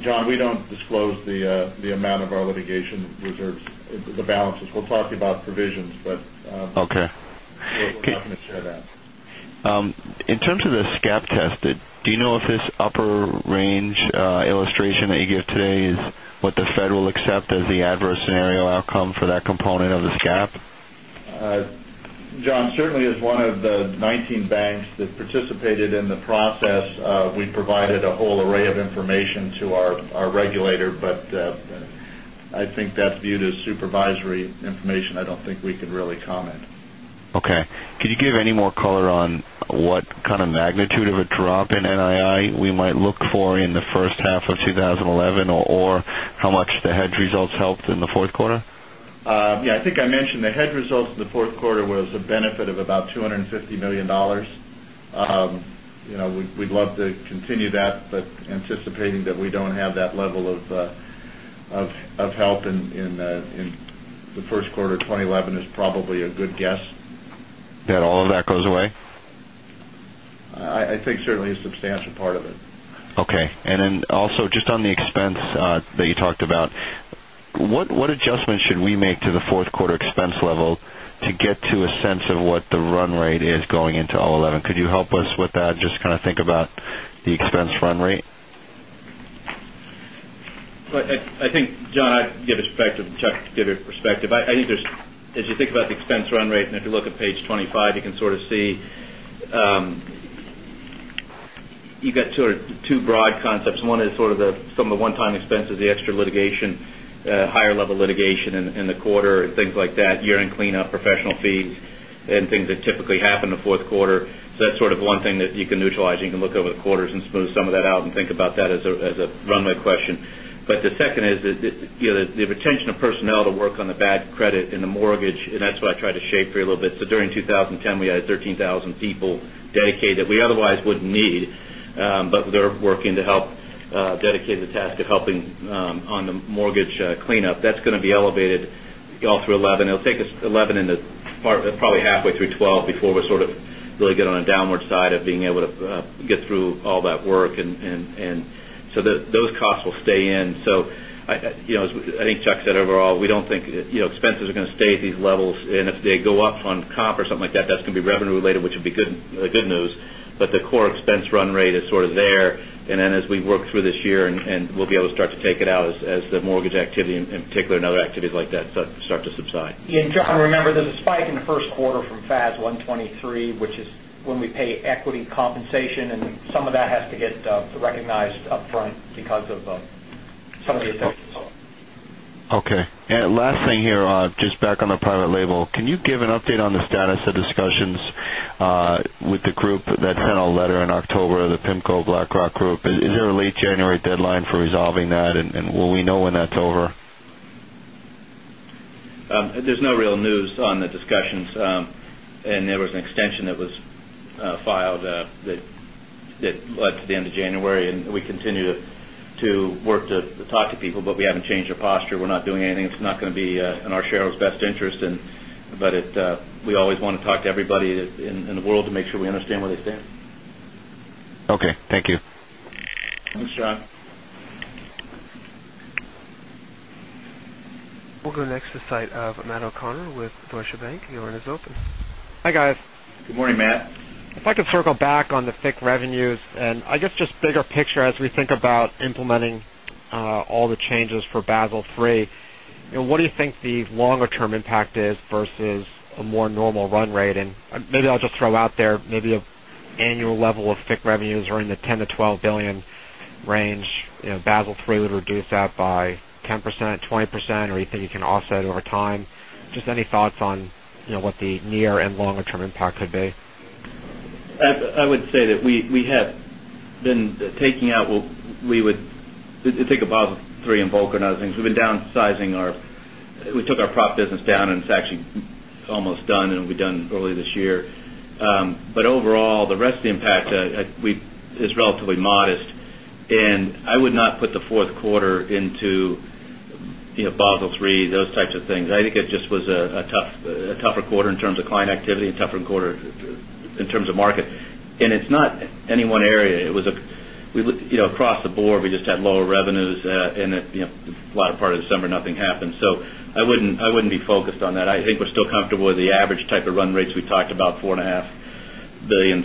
John, we don't disclose the amount of our litigation reserves, the balances. We're talking about provisions, but we're not going to share that. Okay. In terms of the SCAP test, do you know if this upper range illustration that you give today is what the federal accept as the adverse scenario outcome for that component of the SCAP? John, certainly as one of the 19 banks that participated in the process, we provided a whole array of information to our regulator. But I think that's viewed as supervisory information. I don't think we could really comment. Okay. Could you give any more color on what kind of magnitude of a drop in NII we might look for in the first half of twenty eleven? Or how much the hedge results helped in the Q4? Yes. I think I mentioned the hedge results in the Q4 was a benefit of about $250,000,000 We love to continue that, but anticipating that we don't have that level of help in the Q1 of 2011 is probably a good guess. That all of that goes away? I think certainly a substantial part of Okay. And then also just on the expense that you talked about, what adjustments should we make to the 4th quarter expense level to get to a sense of what the run rate is going into 2011? Could you help us with that? Just kind of think about the expense run rate? I think John, I'd give a perspective Chuck to give you perspective. I think there's as you think about expense run rate and if you look at Page 25, you can sort of see you've got sort of 2 broad concepts. One is sort of the some of the one time expenses, the extra litigation, higher level litigation in the quarter, things like that, year end clean up professional fees and things that typically happen in the Q4. So that's sort of one thing that you can neutralize. You can look over the quarters and smooth some of that out and think about that as a runway question. But the second is that the retention of personnel to work on the bad credit in the mortgage and that's what I tried to shape for a little bit. So during 2010, we had 13,000 people dedicated that we otherwise wouldn't need, but they're working to help dedicate the task of helping on the mortgage cleanup. That's going to be elevated all through 11. It will take us 11 in the part probably halfway through 12 before we sort of really get on a downward side of being able to get through all that work. And so those costs will stay in. So I think Chuck said overall, we don't think expenses are going to stay at these levels. And if they go up on comp or something like that, that's going to be revenue related, which would be good news. But the core expense run rate is sort of there. And then as we work through this year and we'll be able to start to take it out as the mortgage activity in particular and other activities like that start to subside. And John, remember there's a spike in the Q1 from FAS 123, which is when we pay equity compensation and some of that has to get recognized upfront because of some of effects. Okay. And last thing here, just back on the private label. Can you give an update on the status of discussions with the group that sent a letter in October, the PIMCO BlackRock Group? Is there a late January deadline for resolving that? And will we know when that's over? There's no real news on the discussions. And there was an extension that was filed that led to the end of January. And we continue to work to talk to people, but we haven't changed our posture. We're not doing anything. It's not going be in our shareholders' best interest. But we always want to talk to everybody in the world to make sure we understand where they stand. Thank you. Thanks, John. We'll go next to the site of Matt O'Connor with Deutsche Bank. Your line is open. Hi, guys. Good morning, Matt. If I could circle back on the FICC revenues and I guess just bigger picture as we think about implementing all the changes for Basel III, what do you think the longer term impact is versus a more normal run rate? And maybe I'll just throw out there maybe annual level of FICC revenues are in the $10,000,000,000 to $12,000,000,000 range. Basel III would reduce that by 10%, 20% or you think you can offset over time? Just any thoughts on what the near and longer term impact could be? I would say that we have been taking out we would take about 3 in bulk and other things. We've been downsizing our we took our prop business down and it's actually almost done and we've done early this year. But overall, the rest of the impact is relatively modest. And I would not put the Q4 into Basel III, those types of things. I think it just was a tougher quarter in terms of client activity, a tougher quarter in terms of market. And it's not any one area. It was across the board, we just had lower revenues and in the latter part December nothing happened. So I wouldn't be focused on that. I think we're still comfortable with the average type of run rates we talked about, dollars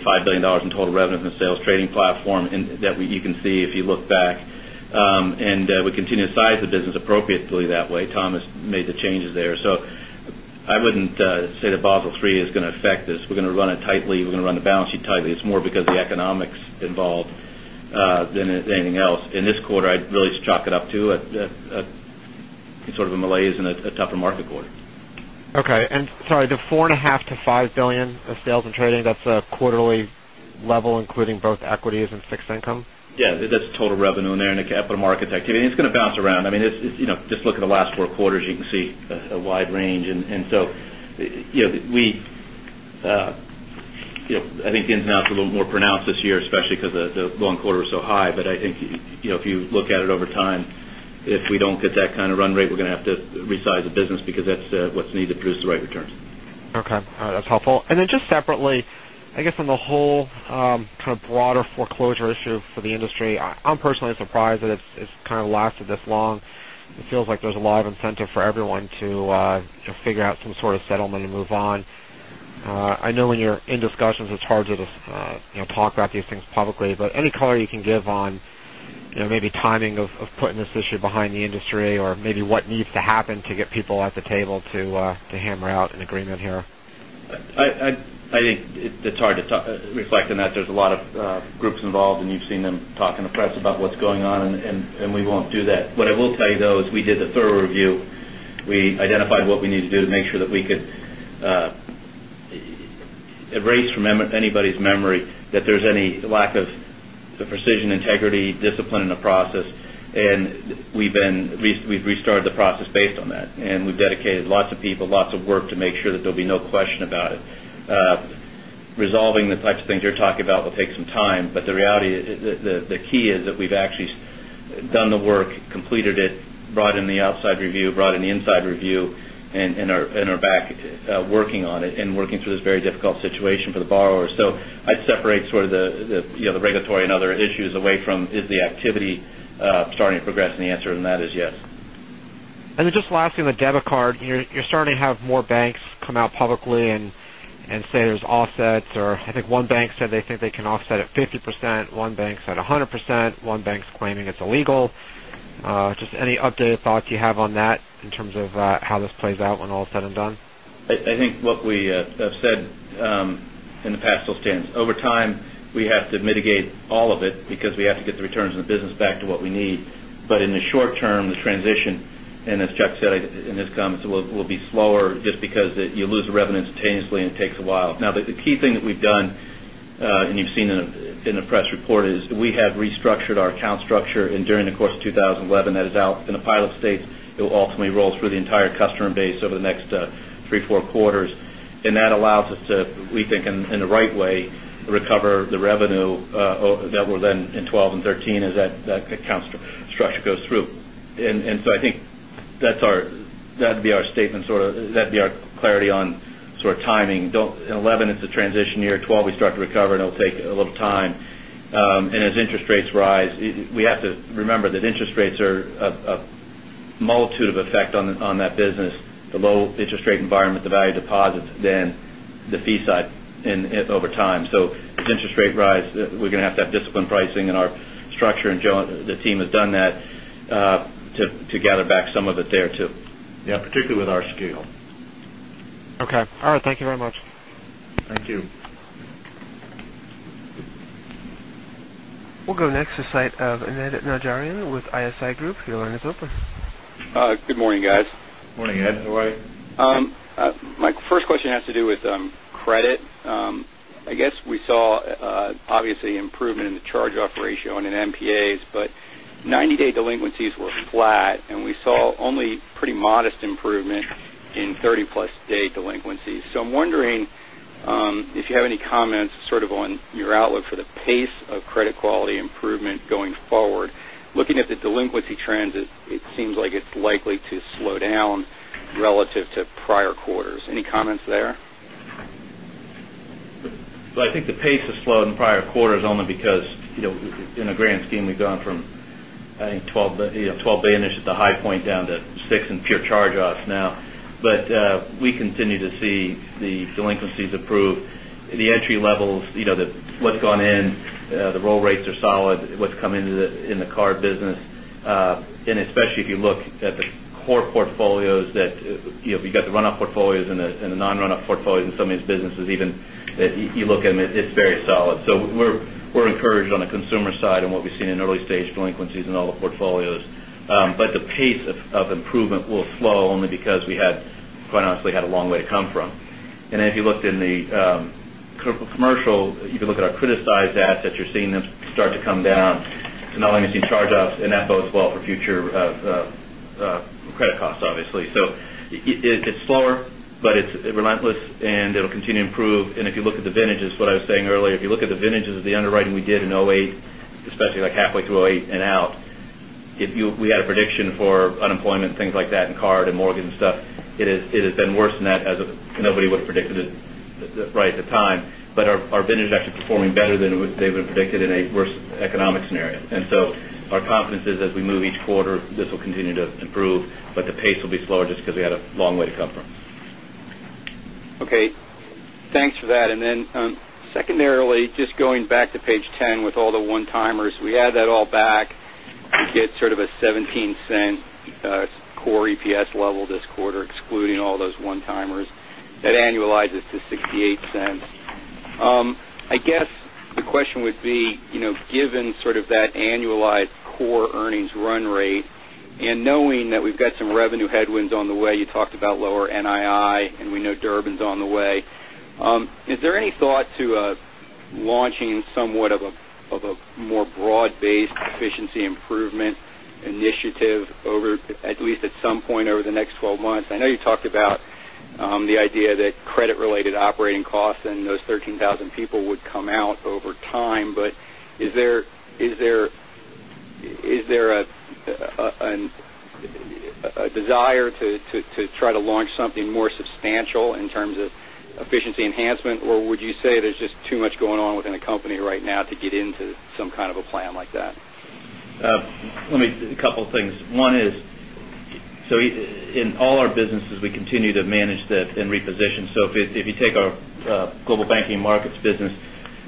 4,500,000,000 $5,000,000,000 $1,000,000,000 in total revenue in the sales trading platform that you can see if you look back. And we continue to size the business appropriately that way. Tom has made the changes there. So I wouldn't say that Basel III is going to affect this. We're going to run it tightly. We're going to run the balance sheet tightly. It's more because of the economics involved than anything else. In this quarter, I'd really chalk it up to sort of a malaise and a tougher market quarter. Okay. And sorry, the 4.5 $1,000,000,000 to $5,000,000,000 of sales and trading, that's a quarterly level including both equities and fixed income? Yes. That's total revenue in there in the capital market activity. It's going to bounce around. I mean, just look at the last four quarters, you can see a wide range. And so, we I think the ins and outs are a little more pronounced this year, especially because the long quarter was so high. But I think if you look at it over time, if we don't get that run rate, we're going to have to resize the business because that's what's needed to produce the right returns. Okay. That's helpful. And then just separately, I guess on the whole broader foreclosure issue for the issue for the industry, I'm personally surprised that it's kind of lasted this long. It feels like there's a lot of incentive for everyone to figure out some sort of settlement and move on. I know when you're in discussions, it's hard to just talk about these things publicly, but any color you can give on maybe timing of putting this issue behind the industry or maybe what needs to happen to get people at the table to hammer out an agreement here? I think it's hard to reflect on that. There's a lot of groups involved and you've seen them talk in the press about what's going on and we won't do that. What I will tell you though is we did a thorough review. We identified what we need to do to make sure that we could erase from anybody's memory that there's any lack of precision integrity, discipline in the process. And we've been we've restarted the process based on that. And we've restarted the process based on that. And we've dedicated lots of people, lots of work to make sure that there'll be no question about it. Resolving the types of things you're talking about will take some time. But the reality is the key is that we've actually done the work, completed it, brought in the outside review, brought in the inside review and are back working on it and working through this very difficult situation for the borrowers. So I'd separate sort of the regulatory and other issues away from is the activity starting to progress? And the answer to that is yes. And then just lastly on the debit card, you're starting to have more banks come out publicly and say there's offsets or I think one bank said they think they can offset at 50%, one bank said 100%, one bank is claiming it's illegal. Just any updated thoughts you have on that in terms of how this plays out when all is said and done? I think what we have said in the past over time, we have to mitigate all of it because we have to get the returns of the business back to what we need. But in the short term, the transition and as Chuck said in his comments will be slower just because you lose the revenue instantaneously and it takes a while. Now the key thing that we've done and you've seen in the press report is that we have restructured our account structure. And during the course of 2011 that is out in pilot state, it will ultimately roll through the entire customer base over the next 3, 4 quarters. And that allows us to, we think in the right way, recover the revenue that were then in 12 13 as that account structure goes through. And so I think that's our that'd be our statement sort of that'd be our clarity on sort of timing. 11, it's a transition year. 12, we start to recover and it'll take a little time. And as interest rates rise, we have to remember that interest rates are a multitude of effect on that business, the low interest rate environment, value deposits than the fee side over time. So, as interest rate rise, we're going to have to have disciplined pricing in our structure. And the team has done that to gather back some of it there too. Yes, particularly with our scale. Okay. All right. Thank you very much. Thank you. We'll go next to the site of Ned Najarian with ISI Group. Your line is open. Good morning, guys. Good morning, Ed. Good morning. My first question has to do with credit. I guess, we saw obviously improvement in the charge off ratio and in NPAs, but 90 day delinquencies were flat and we saw only pretty modest improvement in 30 plus day delinquencies. So I'm wondering, if you have any comments sort of on your outlook for the pace of credit quality improvement going forward. Looking at the delinquency trends, it seems like it's likely to slow down relative to prior quarters. Any comments there? So I think the pace has slowed in prior quarters only because in a grand scheme we've gone from I think $12,000,000,000 ish at the high point down to $6,000,000 in pure charge offs now. But we continue to see the delinquencies approved. The card business. And especially if you look at the core portfolios that we've got the run off portfolios and the non run off portfolios in some of these businesses even you look at it, it's very solid. So we're encouraged on the consumer side and what we've seen in early stage delinquencies in all the portfolios. But the pace of improvement will flow only because we quite honestly had a long way to come from. And then if you looked in the commercial, you can look at our criticized assets, you're seeing them start to come down. And not only we see charge offs and that bodes well for future credit costs obviously. So it's slower, but it's relentless and it will continue to improve. And if you look at the what I was saying earlier, if you look at the vintages of the underwriting we did in 2008, especially like halfway through 2018 and out. If you we had a prediction for unemployment, things like that in card and mortgage and stuff, it has been worse than that as of things like that in card and mortgage and stuff, it has been worse than that as nobody would have predicted it right at the time. But our vendor is actually performing better than they would have predicted in a worse economic scenario. And so our confidence is as we move each quarter this will continue to improve, but the pace will be slower just because we had a long way to come from. Okay. Thanks for that. And then secondarily, just going back to Page 10 with all the one timers, we add that all back to get sort of a $0.17 core EPS level this quarter excluding all those one timers that annualizes to $0.68 I guess the question would be given sort of that annualized core earnings run rate and knowing that we've got some revenue headwinds on the way, you talked about lower NII and we know Durbin is on the way. Is there any thought to launching somewhat of a more broad based efficiency improvement initiative over at least some point over the next 12 months? I know you talked about the idea that credit related operating costs and those 13,000 people would come out over time. But is there a desire to try to launch something more substantial in terms of efficiency enhancement? Or would you say there's just too much going on within the company right now to get into some kind of a plan like that? Let me a couple of things. One is, so in all our businesses we continue to manage that and reposition. So if you take our Global Banking and Markets business,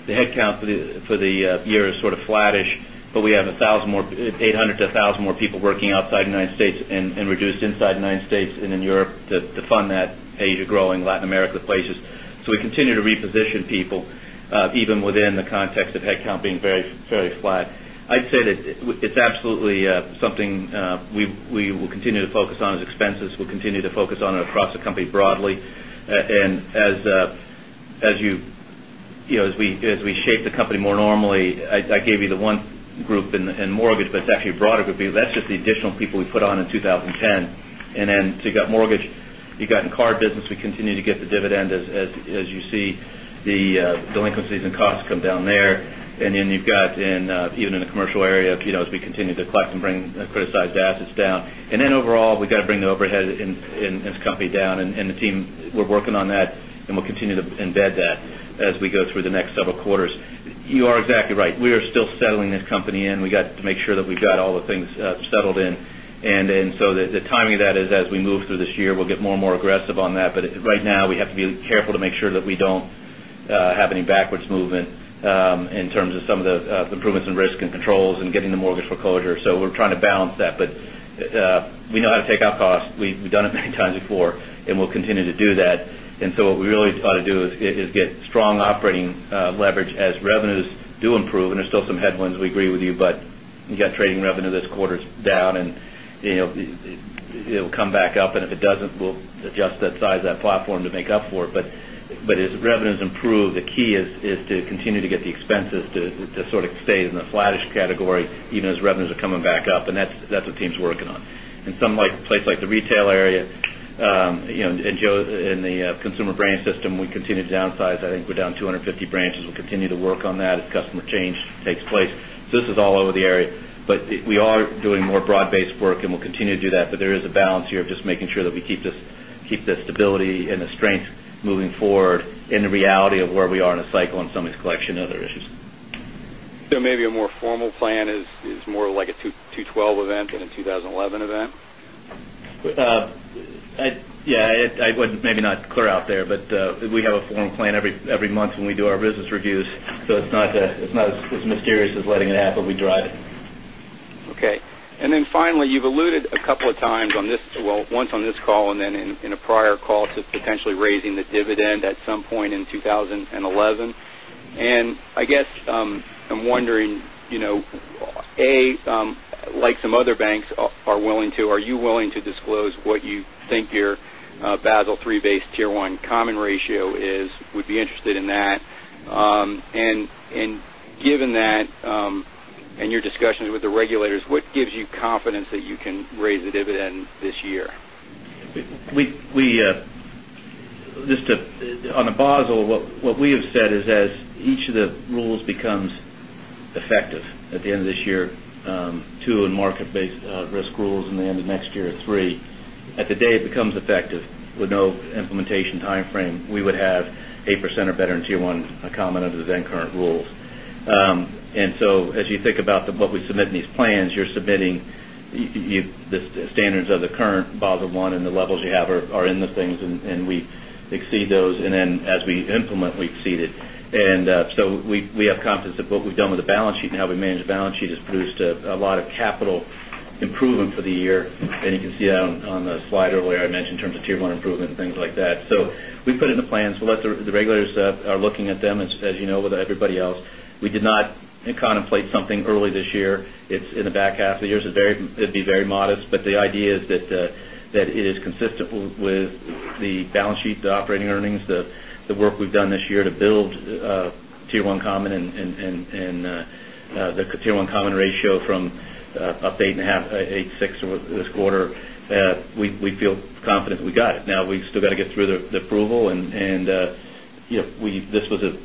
the headcount for the year is sort of flattish, but we have 100 to 1000 more people working outside United States and reduced inside United States and in Europe to fund that Asia growing Latin America places. So we continue to reposition people even within the context of headcount being very flat. I'd say that it's absolutely something we will continue to focus on as expenses. We'll continue to focus on it across the company broadly. And as we shape the company more normally, I gave you the one group in mortgage, but it's actually a broader group. That's just the additional people we put on in 10. And then you've got mortgage, you've got in card business, we continue to get the dividend as you see the delinquencies and costs come down And then you've got in even in the commercial area, as we continue to collect and bring criticized assets down. And then overall, we've got bring the overhead in this company down and the team we're working on that and we'll continue to embed that as we go through the next several quarters. You are exactly right. We are still right now, we have to be careful to make sure that we don't have any backwards movement in terms of some of the improvements in risk and controls and getting the mortgage foreclosure. So we're trying to balance that. But we know how to take out costs. We've done it many times before and we'll continue to do that. And so what we really ought to do is get strong operating leverage as revenues do improve and there's still some headwinds we agree with you, but you got trading revenue this quarter is down and it will come back up. And if it doesn't, we'll adjust that size of that platform to make up for it. But as revenues improve, the key is to continue to get the expenses to sort of stay in the flattish category even as revenues are coming back up and that's what teams are working on. In some place like the retail area, and Joe in the consumer branch system, we continue to downsize. I think we're down 250 branches. We'll continue to work on that as customer change takes place. So this is all over the area. But we are doing more broad based work and we'll continue to do that. But there is a balance here of just making sure that we keep this keep the stability and the strength moving forward in the reality of where we are in a cycle and some of these collection and other issues. So maybe a more formal plan is more like a 2012 event than a 2011 event? Yes, I would maybe not clear out there, but we have a form plan every month when we do our business reviews. So it's not as mysterious as letting it happen, but we drive it. Okay. And then finally, you've alluded a couple of times on this well, once on this call and then in a prior call to 2011. And I guess, I'm wondering, A, like some other banks are willing to, are you willing to disclose what you think your Basel III based Tier I common ratio is, would be interested in that. And given that and your discussions with the regulators, what gives you confidence that you can raise the dividend this year? On Abasil, what we have said is as each of the rules becomes effective at the end of this year, 2 in market based risk rules and the end of next year or 3. At the day it becomes effective with no implementation timeframe, we would have 8 common under the current rules. And so as you think about what we submit in these plans, you're submitting the standards of the current Basel I and the levels you have are in the things and we exceed those. And then as we implement, we exceed it. And so we have confidence that what we've done with the balance sheet and how we manage the balance sheet has produced a lot of capital improvement for the year. And you can see on the slide earlier, I mentioned in terms of Tier 1 improvement and things like that. So we put in the plans. We'll let the regulators are looking at them, as you know, with everybody else. We did not contemplate something early this year. It's in the back half of the year. So it'd be very modest. But the idea is that it is consistent with the balance sheet, the operating earnings, the work we've done this year to build Tier 1 common and the Tier 1 common ratio from 8.5 8.6 this quarter, we feel confident we got it. Now we still got to get through the approval. And this was a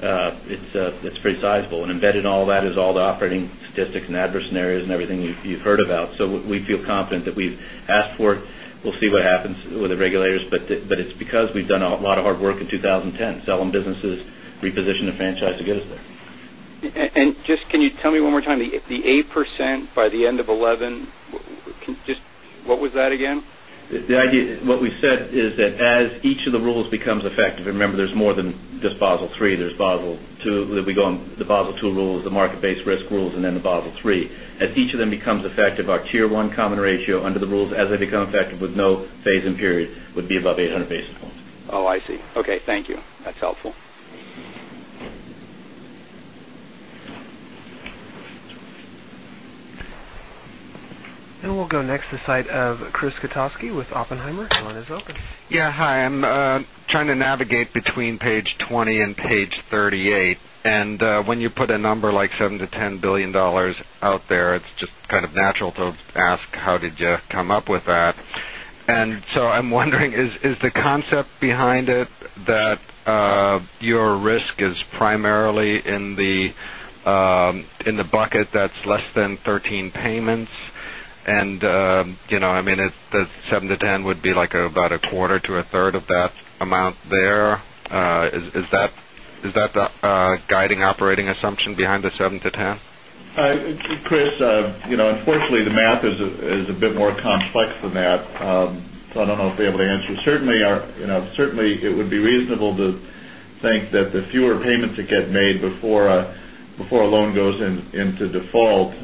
pretty sizable. And embedded in all of that is all the operating statistics and adverse scenarios and everything you've heard about. So we feel confident that we've asked for it. We'll see what happens with the regulators. But it's because we've done a lot of hard work in 2010, selling businesses, reposition the franchise to get us there. And just can you tell me one more time, the 8% by the end of 2011, what was that again? The idea what we said is that as each of the rules becomes effective, remember there's more than just Basel III, there's Basel II, we go on the Basel II rules, the market based risk rules and then the Basel III. As each of them becomes effective, our Tier 1 common ratio under the rules as they become effective with no phase in period would be above 800 basis points. Oh, I see. Okay. Thank you. That's helpful. And we'll go next to the site of Chris Kotowski with Oppenheimer. Your line is open. Yes. Hi. I'm trying to navigate between Page 20 and Page 38. And when you put a number like $7,000,000,000 to $10,000,000,000 out there, it's just kind of natural to ask how did you come up with that. And so I'm wondering is the concept behind it that your risk is primarily in the bucket that's less than 13 payments? And I mean, the 7 to 10 would be like about a quarter to a third of that amount there. Is that the guiding operating assumption behind the 7% to 10%? Chris, unfortunately, the math is a bit more complex than that. So I don't know if able to answer. Certainly, it would be reasonable to think that the fewer payments that get made before a loan goes into default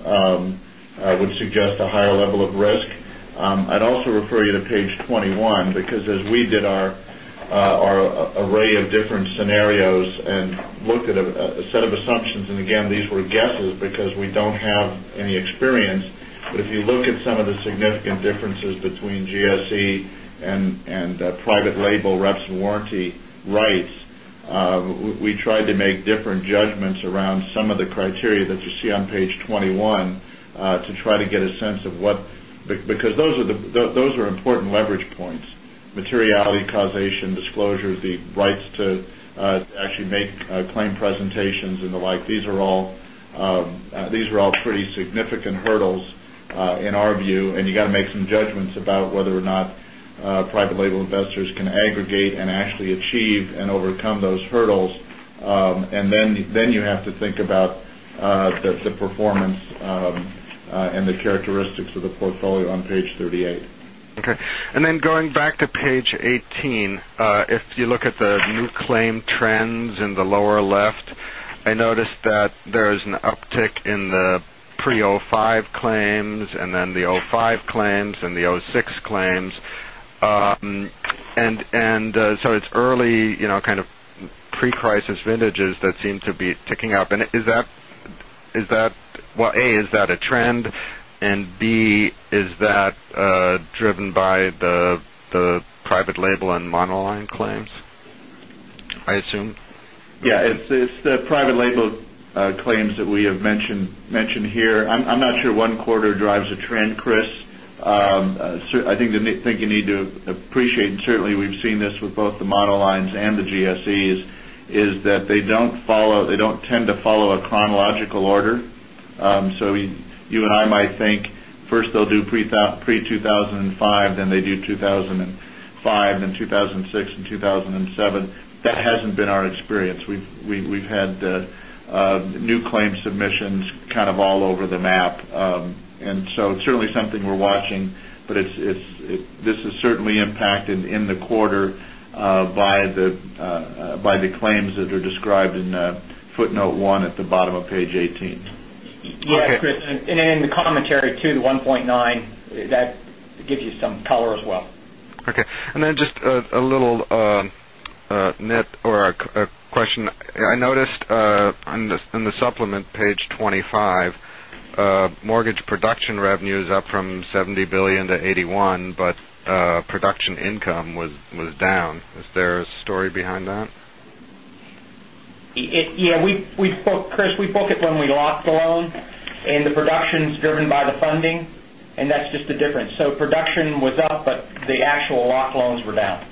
would suggest a higher level of risk. I'd also refer you to Page 21 because as we did our array of different scenarios and looked at a set of assumptions, and again, these were guesses because we don't have any experience. But if you look at some of significant differences between GSE and private label reps warranty rights, we tried to make different judgments around some of the criteria that you see on Page 21 to try to get a sense of what because those are important leverage points, materiality, causation, disclosures, the rights to actually make claim presentations and the like. These are all pretty significant hurdles in our view, and you got to make some judgments about whether or not private label investors can aggregate and actually achieve and overcome those hurdles. And then you have to think about performance and the characteristics of the portfolio on Page 38. Okay. And then going back to Page 18, if you look at the new claim trends in the lower left, I noticed that there is an uptick in the pre-five claims and then the-five claims and the two thousand and six claims. And so it's early kind of pre crisis vintages that seem to be picking up. And is that well, A, is that a trend? And B, is that driven by the private label and monoline claims, I assume? Yes. It's the private label claims that we have mentioned here. I'm not sure 1 quarter drives a trend, Chris. I think you need to appreciate and certainly we've seen this with both the monoline and the GSEs is that they don't follow they don't tend to follow a chronological order. So you and I might think, first, they'll do pre-two thousand and five, then they do 2,005, then 2,006, and 2,007. That hasn't been our experience. We've had new claim submissions kind of all over the map. And so, it's certainly something we're watching, but it's this is certainly impacted in the quarter by the Yes, Chris. And then in the commentary too, the 1.9, that gives you some color as well. Okay. And then just a little net or a question. I noticed in the supplement Page 25, mortgage production revenues up from $70,000,000,000 to $81,000,000 but production income was down. Is there a story behind that? Yes. We book Chris, we book it when we lock the loan and the production is driven by the funding and that's just the difference. So production was up, but the actual lock loans were down.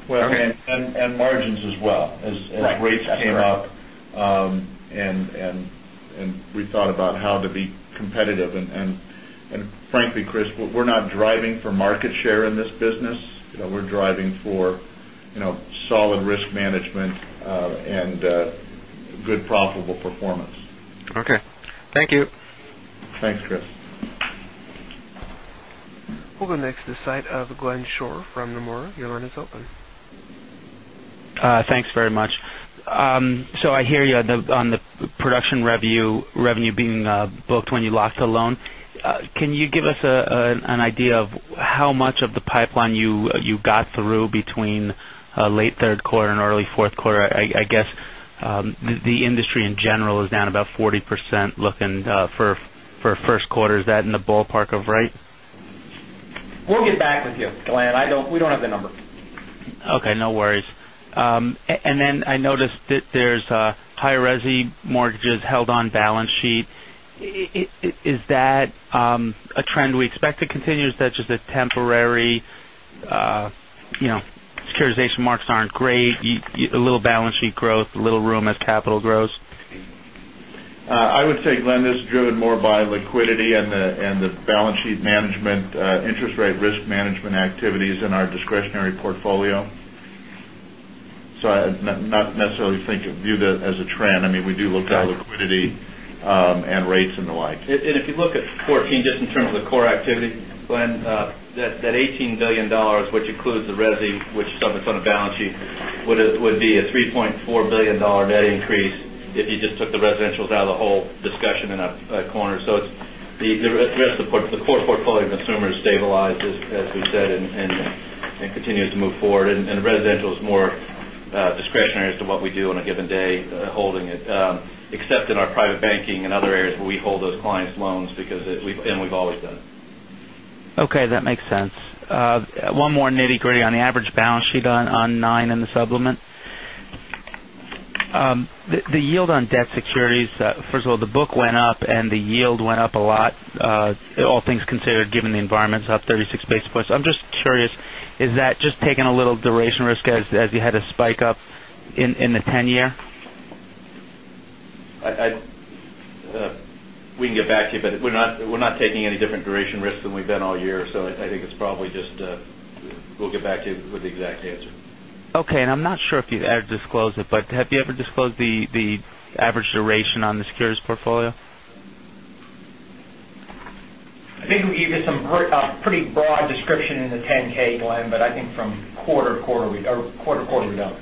And margins as well as rates came up and we thought about how to be competitive. And frankly, Chris, we're not driving for market share in this business. We're driving for solid risk management and good profitable performance. Thank you. Thanks, Chris. We'll go next to the site of Glenn Schorr from Nomura. Your line is open. Thanks very much. So I hear you on the production revenue being booked when you locked the loan. Can you give us an idea of how much of the pipeline you got through between late third quarter and early Q4? I guess, the industry in general is down about 40% looking for Q1, is that in the ballpark of right? We'll get back with you, Glenn. I don't we don't have the number. Okay. No worries. And then I noticed that there's higher resi mortgages held on balance sheet. Is that a trend we expect to continue? Is that just a temporary securitization marks aren't great, a little balance sheet growth, a little room as discretionary portfolio. So, I'd in our discretionary portfolio. So, I not necessarily think of view that as a trend. I mean, we do look at our liquidity and rates and the like. And if you look at 2014 just in terms of the core activity, Glenn, that $18,000,000,000 which includes the resi, which is on the balance sheet, would be a $3,400,000,000 net increase if you just took the residential out of the whole discussion in that corner. So, it's the rest of the core portfolio of consumers stabilized as we said and continues to move forward. And residential is more discretionary as to what we do on a given day holding it, except in our private banking and other areas where we hold those clients' loans because and we've always done. Okay. That makes sense. One more nitty gritty on the average balance sheet on 9 in the supplement. The yield on debt securities, first of all, the book went up and the yield went up a lot, all things considered given the environment is up 36 basis points. I'm just curious, is that just taking a little duration risk as you had a spike up in the 10 year? We can get back to you, but we're not taking any different duration risks than we've been all year. So I think it's probably just we'll get back to you with the exact answer. Okay. And I'm not sure if you've ever disclosed it, but have you ever disclosed the average duration on the securities portfolio? I think we gave you some pretty broad description in the 10 ks, Glenn, but I think from quarter to quarter we don't.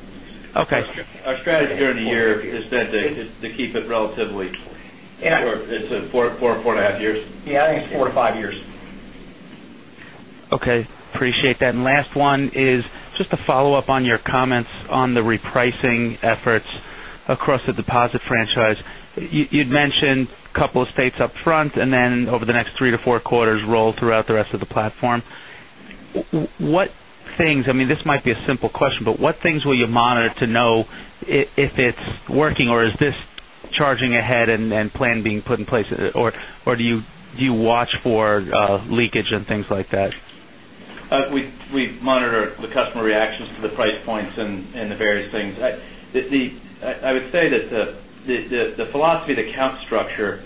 Okay. Our strategy during the year is to keep it relatively it's 4, 4.5 years? Yes, I think it's 4 to 5 years. Okay. Appreciate that. And last one is just a follow-up on your comments on the repricing efforts across the deposit franchise. You'd mentioned a couple of states upfront and then over the next 3 to 4 quarters roll throughout the rest of the platform. What things I mean this might be a simple question, but what things will you monitor to know if it's working or is this charging ahead and then plan being put in place or do you watch for leakage and things like that? We monitor the customer reactions to the price points and the various things. I would say that the philosophy of the account structure,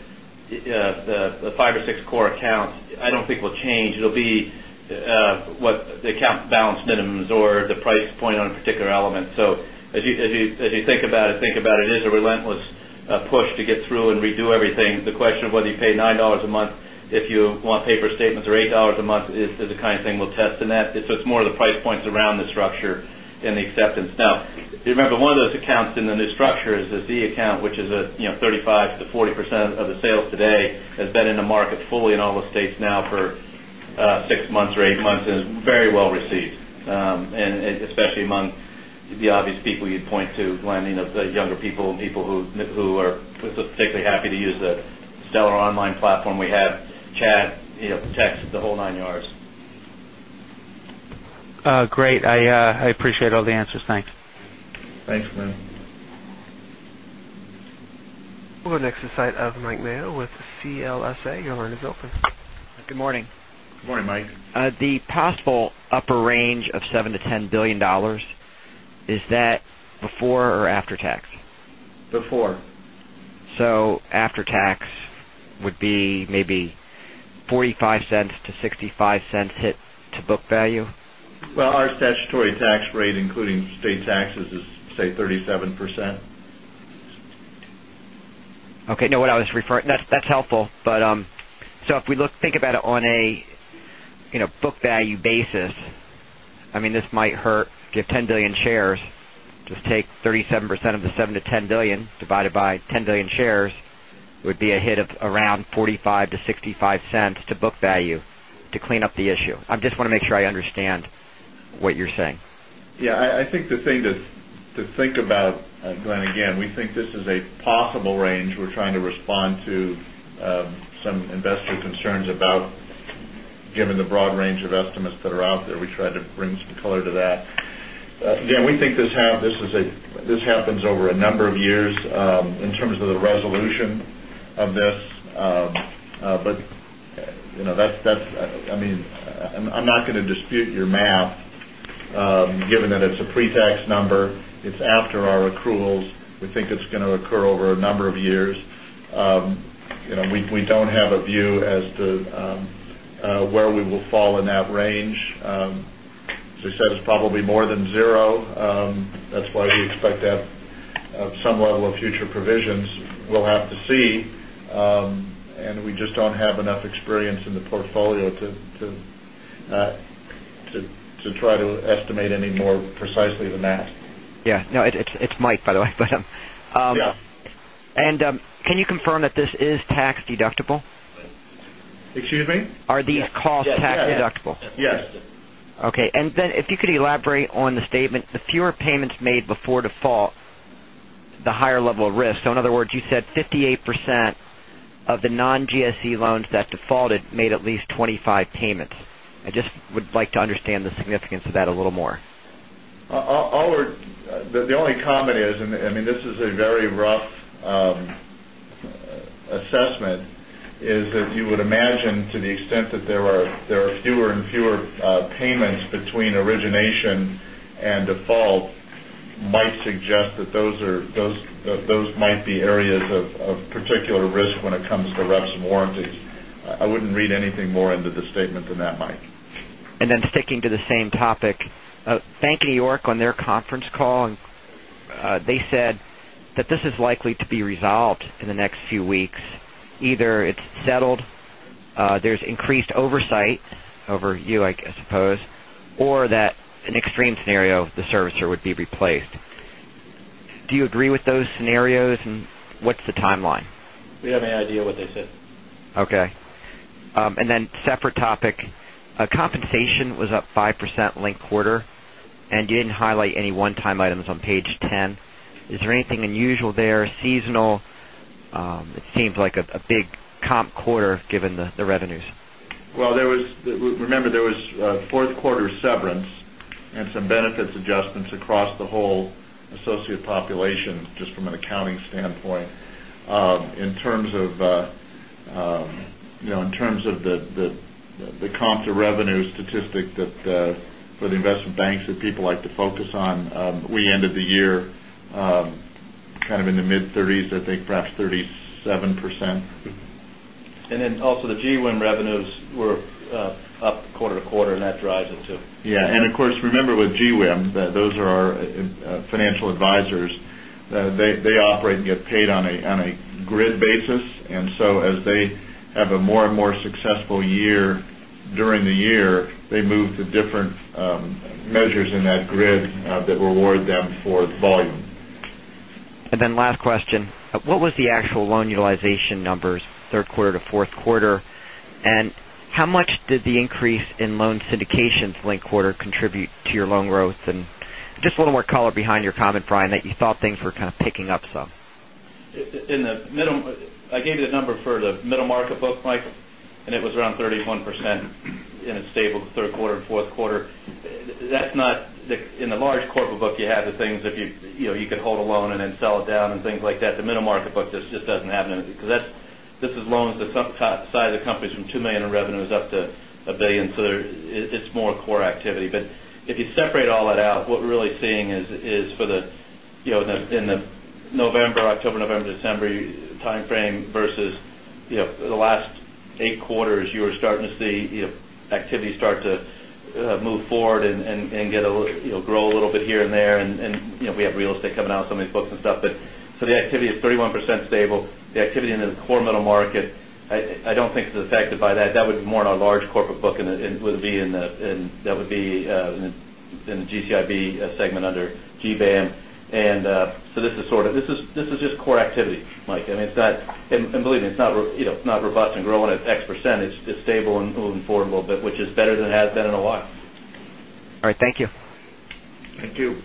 the 5 or 6 core accounts, I don't think will change. It will be what the account balance or the price point on particular elements. So as you think about it, think about it is a relentless push to get through and redo everything. The question whether you pay $9 a month if you want paper statements or $8 a month is the kind of thing we'll test in that. So it's more of the price points around the structure and the acceptance. Now remember one of those accounts in the new structure is the Z account, which is 35% to 40% of the sales today has been in the market fully in all the states now for 6 months or 8 months and is very well received. And especially among the obvious people you'd point to, Lending of the younger people who are particularly happy to use the seller online platform we have, Chad, the text, the whole 9 yards. Great. I appreciate all the answers. Thanks. Thanks, Glenn. We'll go next to the site of Mike Mayo with CLSA. Your line is open. Good morning. Good morning, Mike. The possible upper range of $7,000,000,000 to 10 $1,000,000,000 is that before or after tax? Before. So after tax would be maybe $0.45 to $0.65 hit to book value? Well, our statutory tax rate including state taxes is say 37%. Okay. No, what I was referring that's helpful. But so if we look about it on a book value basis, I mean this might hurt, give 10,000,000,000 shares, just take 37% of the $7,000,000,000 to $10,000,000,000 divided by $10,000,000,000 shares would be a hit of around $0.45 to $0.65 to book value to clean up the issue. I just want to make sure I understand what you're saying. Yes. I think the thing to think about, Glenn, again, we think this is a possible range. We're trying to respond to some investor concerns about given the broad range of estimates that are out there. We tried to bring some color to that. Again, we think this happens over a number of years in terms of the resolution of this. But that's I mean, I'm not going to dispute your math given that it's a pretax number. It's after our accruals. We think it's going to occur over a number of years. We don't have a view as to where we will fall in that range. As we said, it's probably more than 0. That's why we expect to have some level of future provisions. We'll have to see. And we just don't have enough experience in the portfolio to try to estimate any more precisely than that. Yes. It's Mike, by the way. Can you confirm that this is tax deductible? Excuse me? Are these cost tax deductible? Yes. Okay. And then if you could elaborate on the statement, the fewer payments made before default, the higher level of risk. So in other words, you said 58% of the non GSE loans that defaulted made at least 25 payments. I just would like to understand the significance of that a little more. Oliver, the only comment is, and I mean this is a very rough assessment, is that you would imagine to the extent that there are fewer and fewer payments between origination and default might suggest that those might be areas of particular risk when it comes to reps and warranties. I wouldn't read anything more into the statement than that, Mike. And then sticking to the same topic, Bank of New York on their conference call, they said that this is likely to be resolved in the next few weeks, either it's settled, there's increased oversight over you, I suppose, or that an extreme scenario, the servicer would be replaced. Do you agree with those scenarios and what's the timeline? We have no idea what they said. Okay. And then separate topic, compensation was up 5% linked quarter and you didn't highlight any one time items on Page 10. Is there anything unusual there, seasonal? It seems like a big comp quarter given the revenues. Well, there was remember, there was 4th quarter severance and some benefits adjustments across the whole associate population just from an accounting stand standpoint. In terms of the comp to revenue statistic that for the investment banks that people like to focus on, we ended the year kind of in the mid-30s, I think perhaps 37%. And then also the GWIM revenues were up quarter to quarter and that drives it too. Yes. And of course, remember with GWIM, those are our financial advisors. They operate and get paid on a grid basis. And so as they have a more and more successful year during the year, they move to different measures in that grid that reward them for volume. And then last question. What was the actual loan utilization numbers Q3 to Q4? And how much did the increase in loan syndications linked quarter contribute to your loan growth? And just a little more color behind your comment, Brian, that you thought things were kind of picking up some. In the middle I gave you the number for the middle market book, Mike, and it was around 31% in a stable Q3 and Q4. That's not in the large corporate book, you had the things that you could hold alone and sell it down and things like that. The middle market book just doesn't have anything, because that's this is loans to some size of the company from $2,000,000 in revenues up to $1,000,000,000 So there is more core activity. But if you separate all that out, what we're really seeing is for the in the November, October, November, December timeframe versus the last 8 quarters, you were starting to see activity start to move forward and get a grow a little bit here and there. And we have real estate coming out some of these books and stuff. But so the activity is 31% stable. The activity in the core middle market, I don't think it's affected by that. That was more in our large corporate book and it would be in the that would be in the GCIB segment under GBAM. And so this is sort of this is just core activity, Mike. And it's not and believe me, it's not robust and growing at X percentage, it's stable and moving forward a little bit, which is better than it has been in a lot. All right. Thank you. Thank you.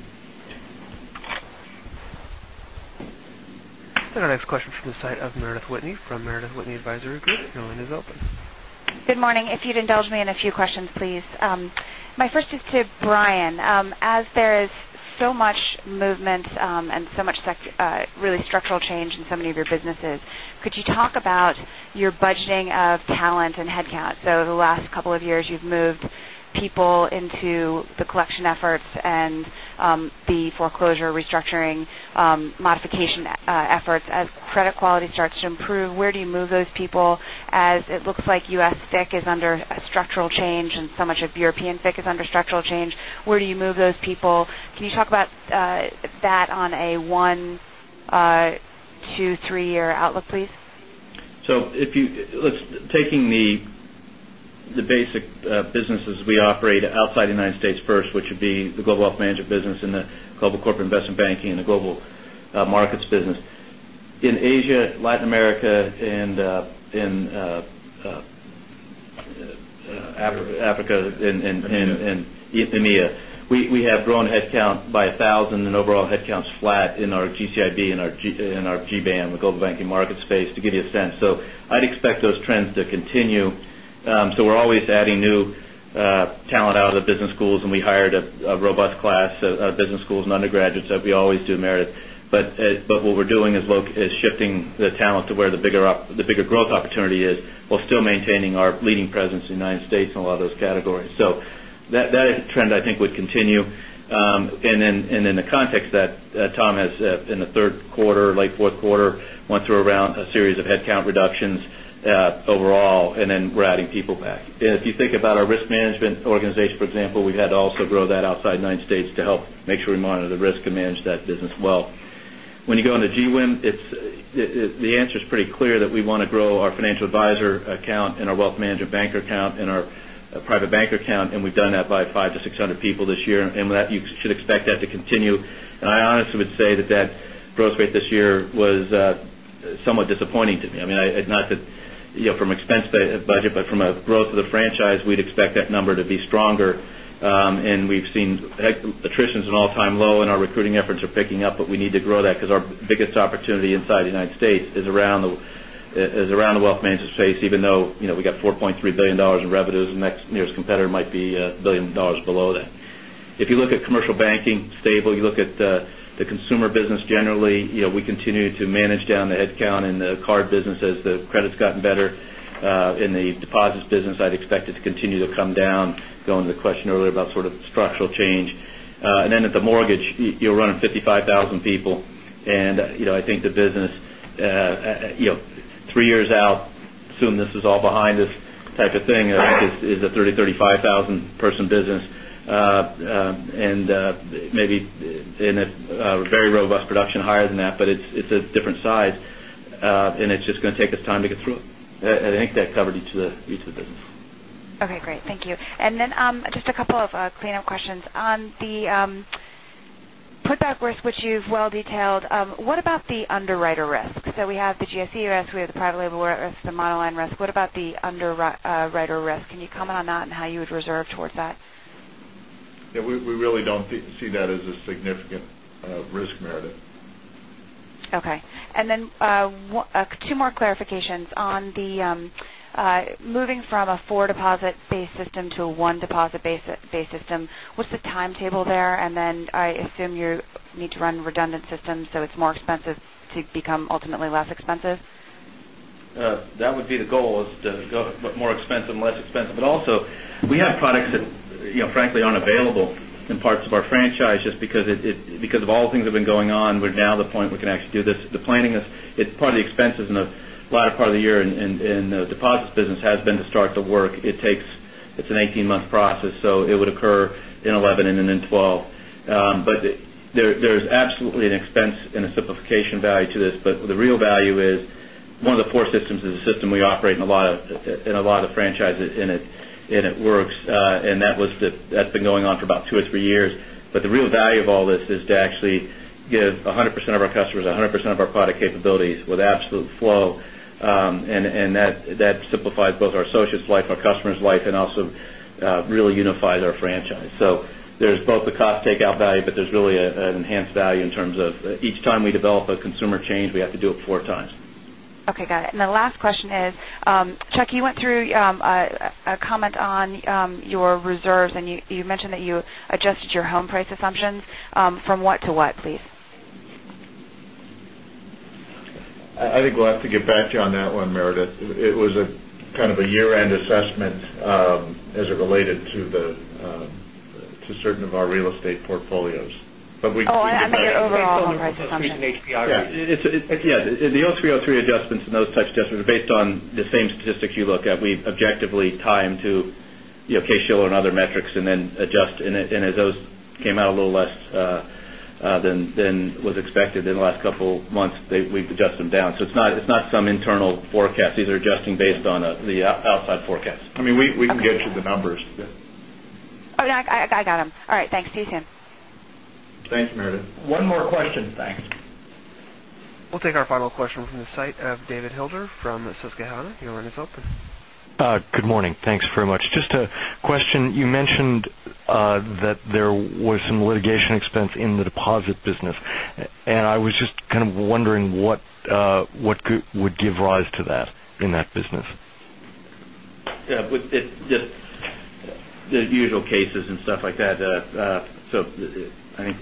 And next question is from the side of Meredith Whitney from Meredith Whitney Advisory Group. Your line is open. Good morning. If you'd indulge me in a few questions please. My first is to Brian. As there is so much movement and so much really structural change in so many of your businesses, could you talk about your budgeting of talent and headcount? So over the last couple of years, you've moved people into the collection efforts and the foreclosure restructuring modification efforts as credit quality starts to improve? Where do you move those people as it looks like U. S. FICC is under a structural change and so much of European FICC is under structural change, where do you move those people? Can you talk about that on a 1, 2, 3 year outlook please? So if you look, taking the basic businesses we operate outside the United States first, which would be the Global Wealth Management Business and the Global Corporate Investment Banking and the Global Markets Business. In Asia, Latin America and in Africa and EMEA. We have grown headcount by 1,000 and overall headcount is flat in our GCIB and our G band, the Global Banking Markets space to give you a sense. So I'd expect those trends to continue. So we're always adding new talent out of the business schools and we hired a robust class of business schools and undergraduates that we always do, Meredith. But what we're doing is shifting the talent to where the bigger growth opportunity is, while still maintaining our leading presence in United States in a lot of those categories. So that trend, I think, would continue. And then the context that Tom has in the Q3, late Q4, went through around a series of headcount reductions overall and then we're adding people back. And if you think about our risk management organization, for example, we've had to also grow that outside the United States to help make sure we monitor the risk and manage that business well. When you go into GWIM, the answer is pretty clear that we want to grow our financial advisor account and our wealth management banker account and our private banker account and we've done that by 500 to 600 people this year. And with that, you should expect that to continue. And I honestly would say that that growth rate this year was somewhat disappointing to me. I mean, not that from expense budget, but from a growth of the franchise, we'd expect that number to be stronger. And we've seen attrition is an all time low and our recruiting efforts are picking up, but we need to grow that because our biggest opportunity inside the United States is around the wealth management space, even though we got $4,300,000,000 in revenues and next nearest competitor might be 1,000,000,000 dollars below that. If you look at commercial banking, stable. You look at the consumer business generally. We continue to manage down the headcount in the card business as the credit's gotten better. In the deposits business, I'd expect it to continue to come down. Going to the question earlier about sort of structural change. And then at the mortgage, you're running 55,000 people. And I think the business 3 years out, assume this is all behind us type of thing is a 30,000, 35000 person business and maybe in a very robust production higher than that, but it's a different size. And it's just going to take us time to get through it. And I think that covered each of the business. Okay. Great. Thank you. And then just a couple of cleanup questions. On the putback risk which you've well detailed, What about the underwriter risk? So we have the GSE risk, we have the private label risk, the monoline risk. What about the underwriter risk? Can you comment on that and how you would reserve towards that? Yes. We really don't see that as a significant risk Meredith. Okay. And then two more clarifications. On the moving from a 4 deposit base system to a 1 deposit base system, what's the timetable there? And then I assume you need to run redundant systems, so it's more expensive to become ultimately less expensive? That would be the goal is to go with more expense and less expensive. But also, we have products that frankly aren't available in parts of our franchise just because of all things have been going on, we're now the point we can actually do this. The planning is it's part of the expenses in the latter part of the year and deposits business has been to start to work. It takes it's an 18 month process. So it would occur in 2011 and then in 2012. But there's absolutely an expense and a simplification value to this. But the real value is one of the 4 systems is a system we operate in a lot of franchises and it works. And that was that's been going on for about 2 or 3 years. But the real value of all this is to actually give 100% of our customers, 100% of our product capabilities with absolute flow. And that simplifies both our associates' life, our customers' life and also really unifies our franchise. So, there's both the cost takeout value, but there's really an enhanced value in terms of each time we develop a consumer change, we have to do it 4 times. Okay. Got it. And the question is, Chuck, you went through a comment on your reserves and you mentioned that you adjusted your home price assumptions. From what to what please? I think we'll have to get back to you on that one, Meredith. It was a kind of a year end assessment as it related to certain of our real estate portfolios. But we I mean your overall on right assumption. Yes. The 03, 03 adjustments and those types of adjustments are based on the same statistics you look at. We objectively tie them to Kay Schiller and other metrics and then adjust. And as those came out a little less than was expected in the last couple of months, we've adjusted them down. So it's not some internal forecast. These are adjusting based on the outside forecast. I mean, we can get you the numbers. I got them. All right. Thanks. See you soon. Thanks, Meredith. One more question. We'll take our final question from the site of David Hilder from Susquehanna. Your line is open. Good morning. Thanks very much. Just a question. You mentioned that there was some litigation expense in the deposit business. And I was just kind of wondering what would give rise to that in that business? Yes. But it's just the usual cases and stuff like that. So I think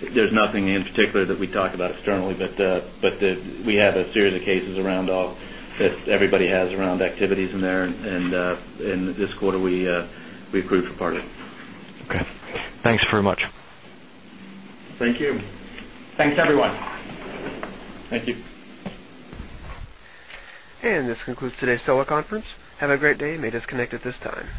there's nothing in particular that we talk about externally, but we have a series of cases around that everybody has around activities in there and this quarter we approved for part of it. Okay. Thanks very much. Thank you. Thanks everyone. Thank you. And this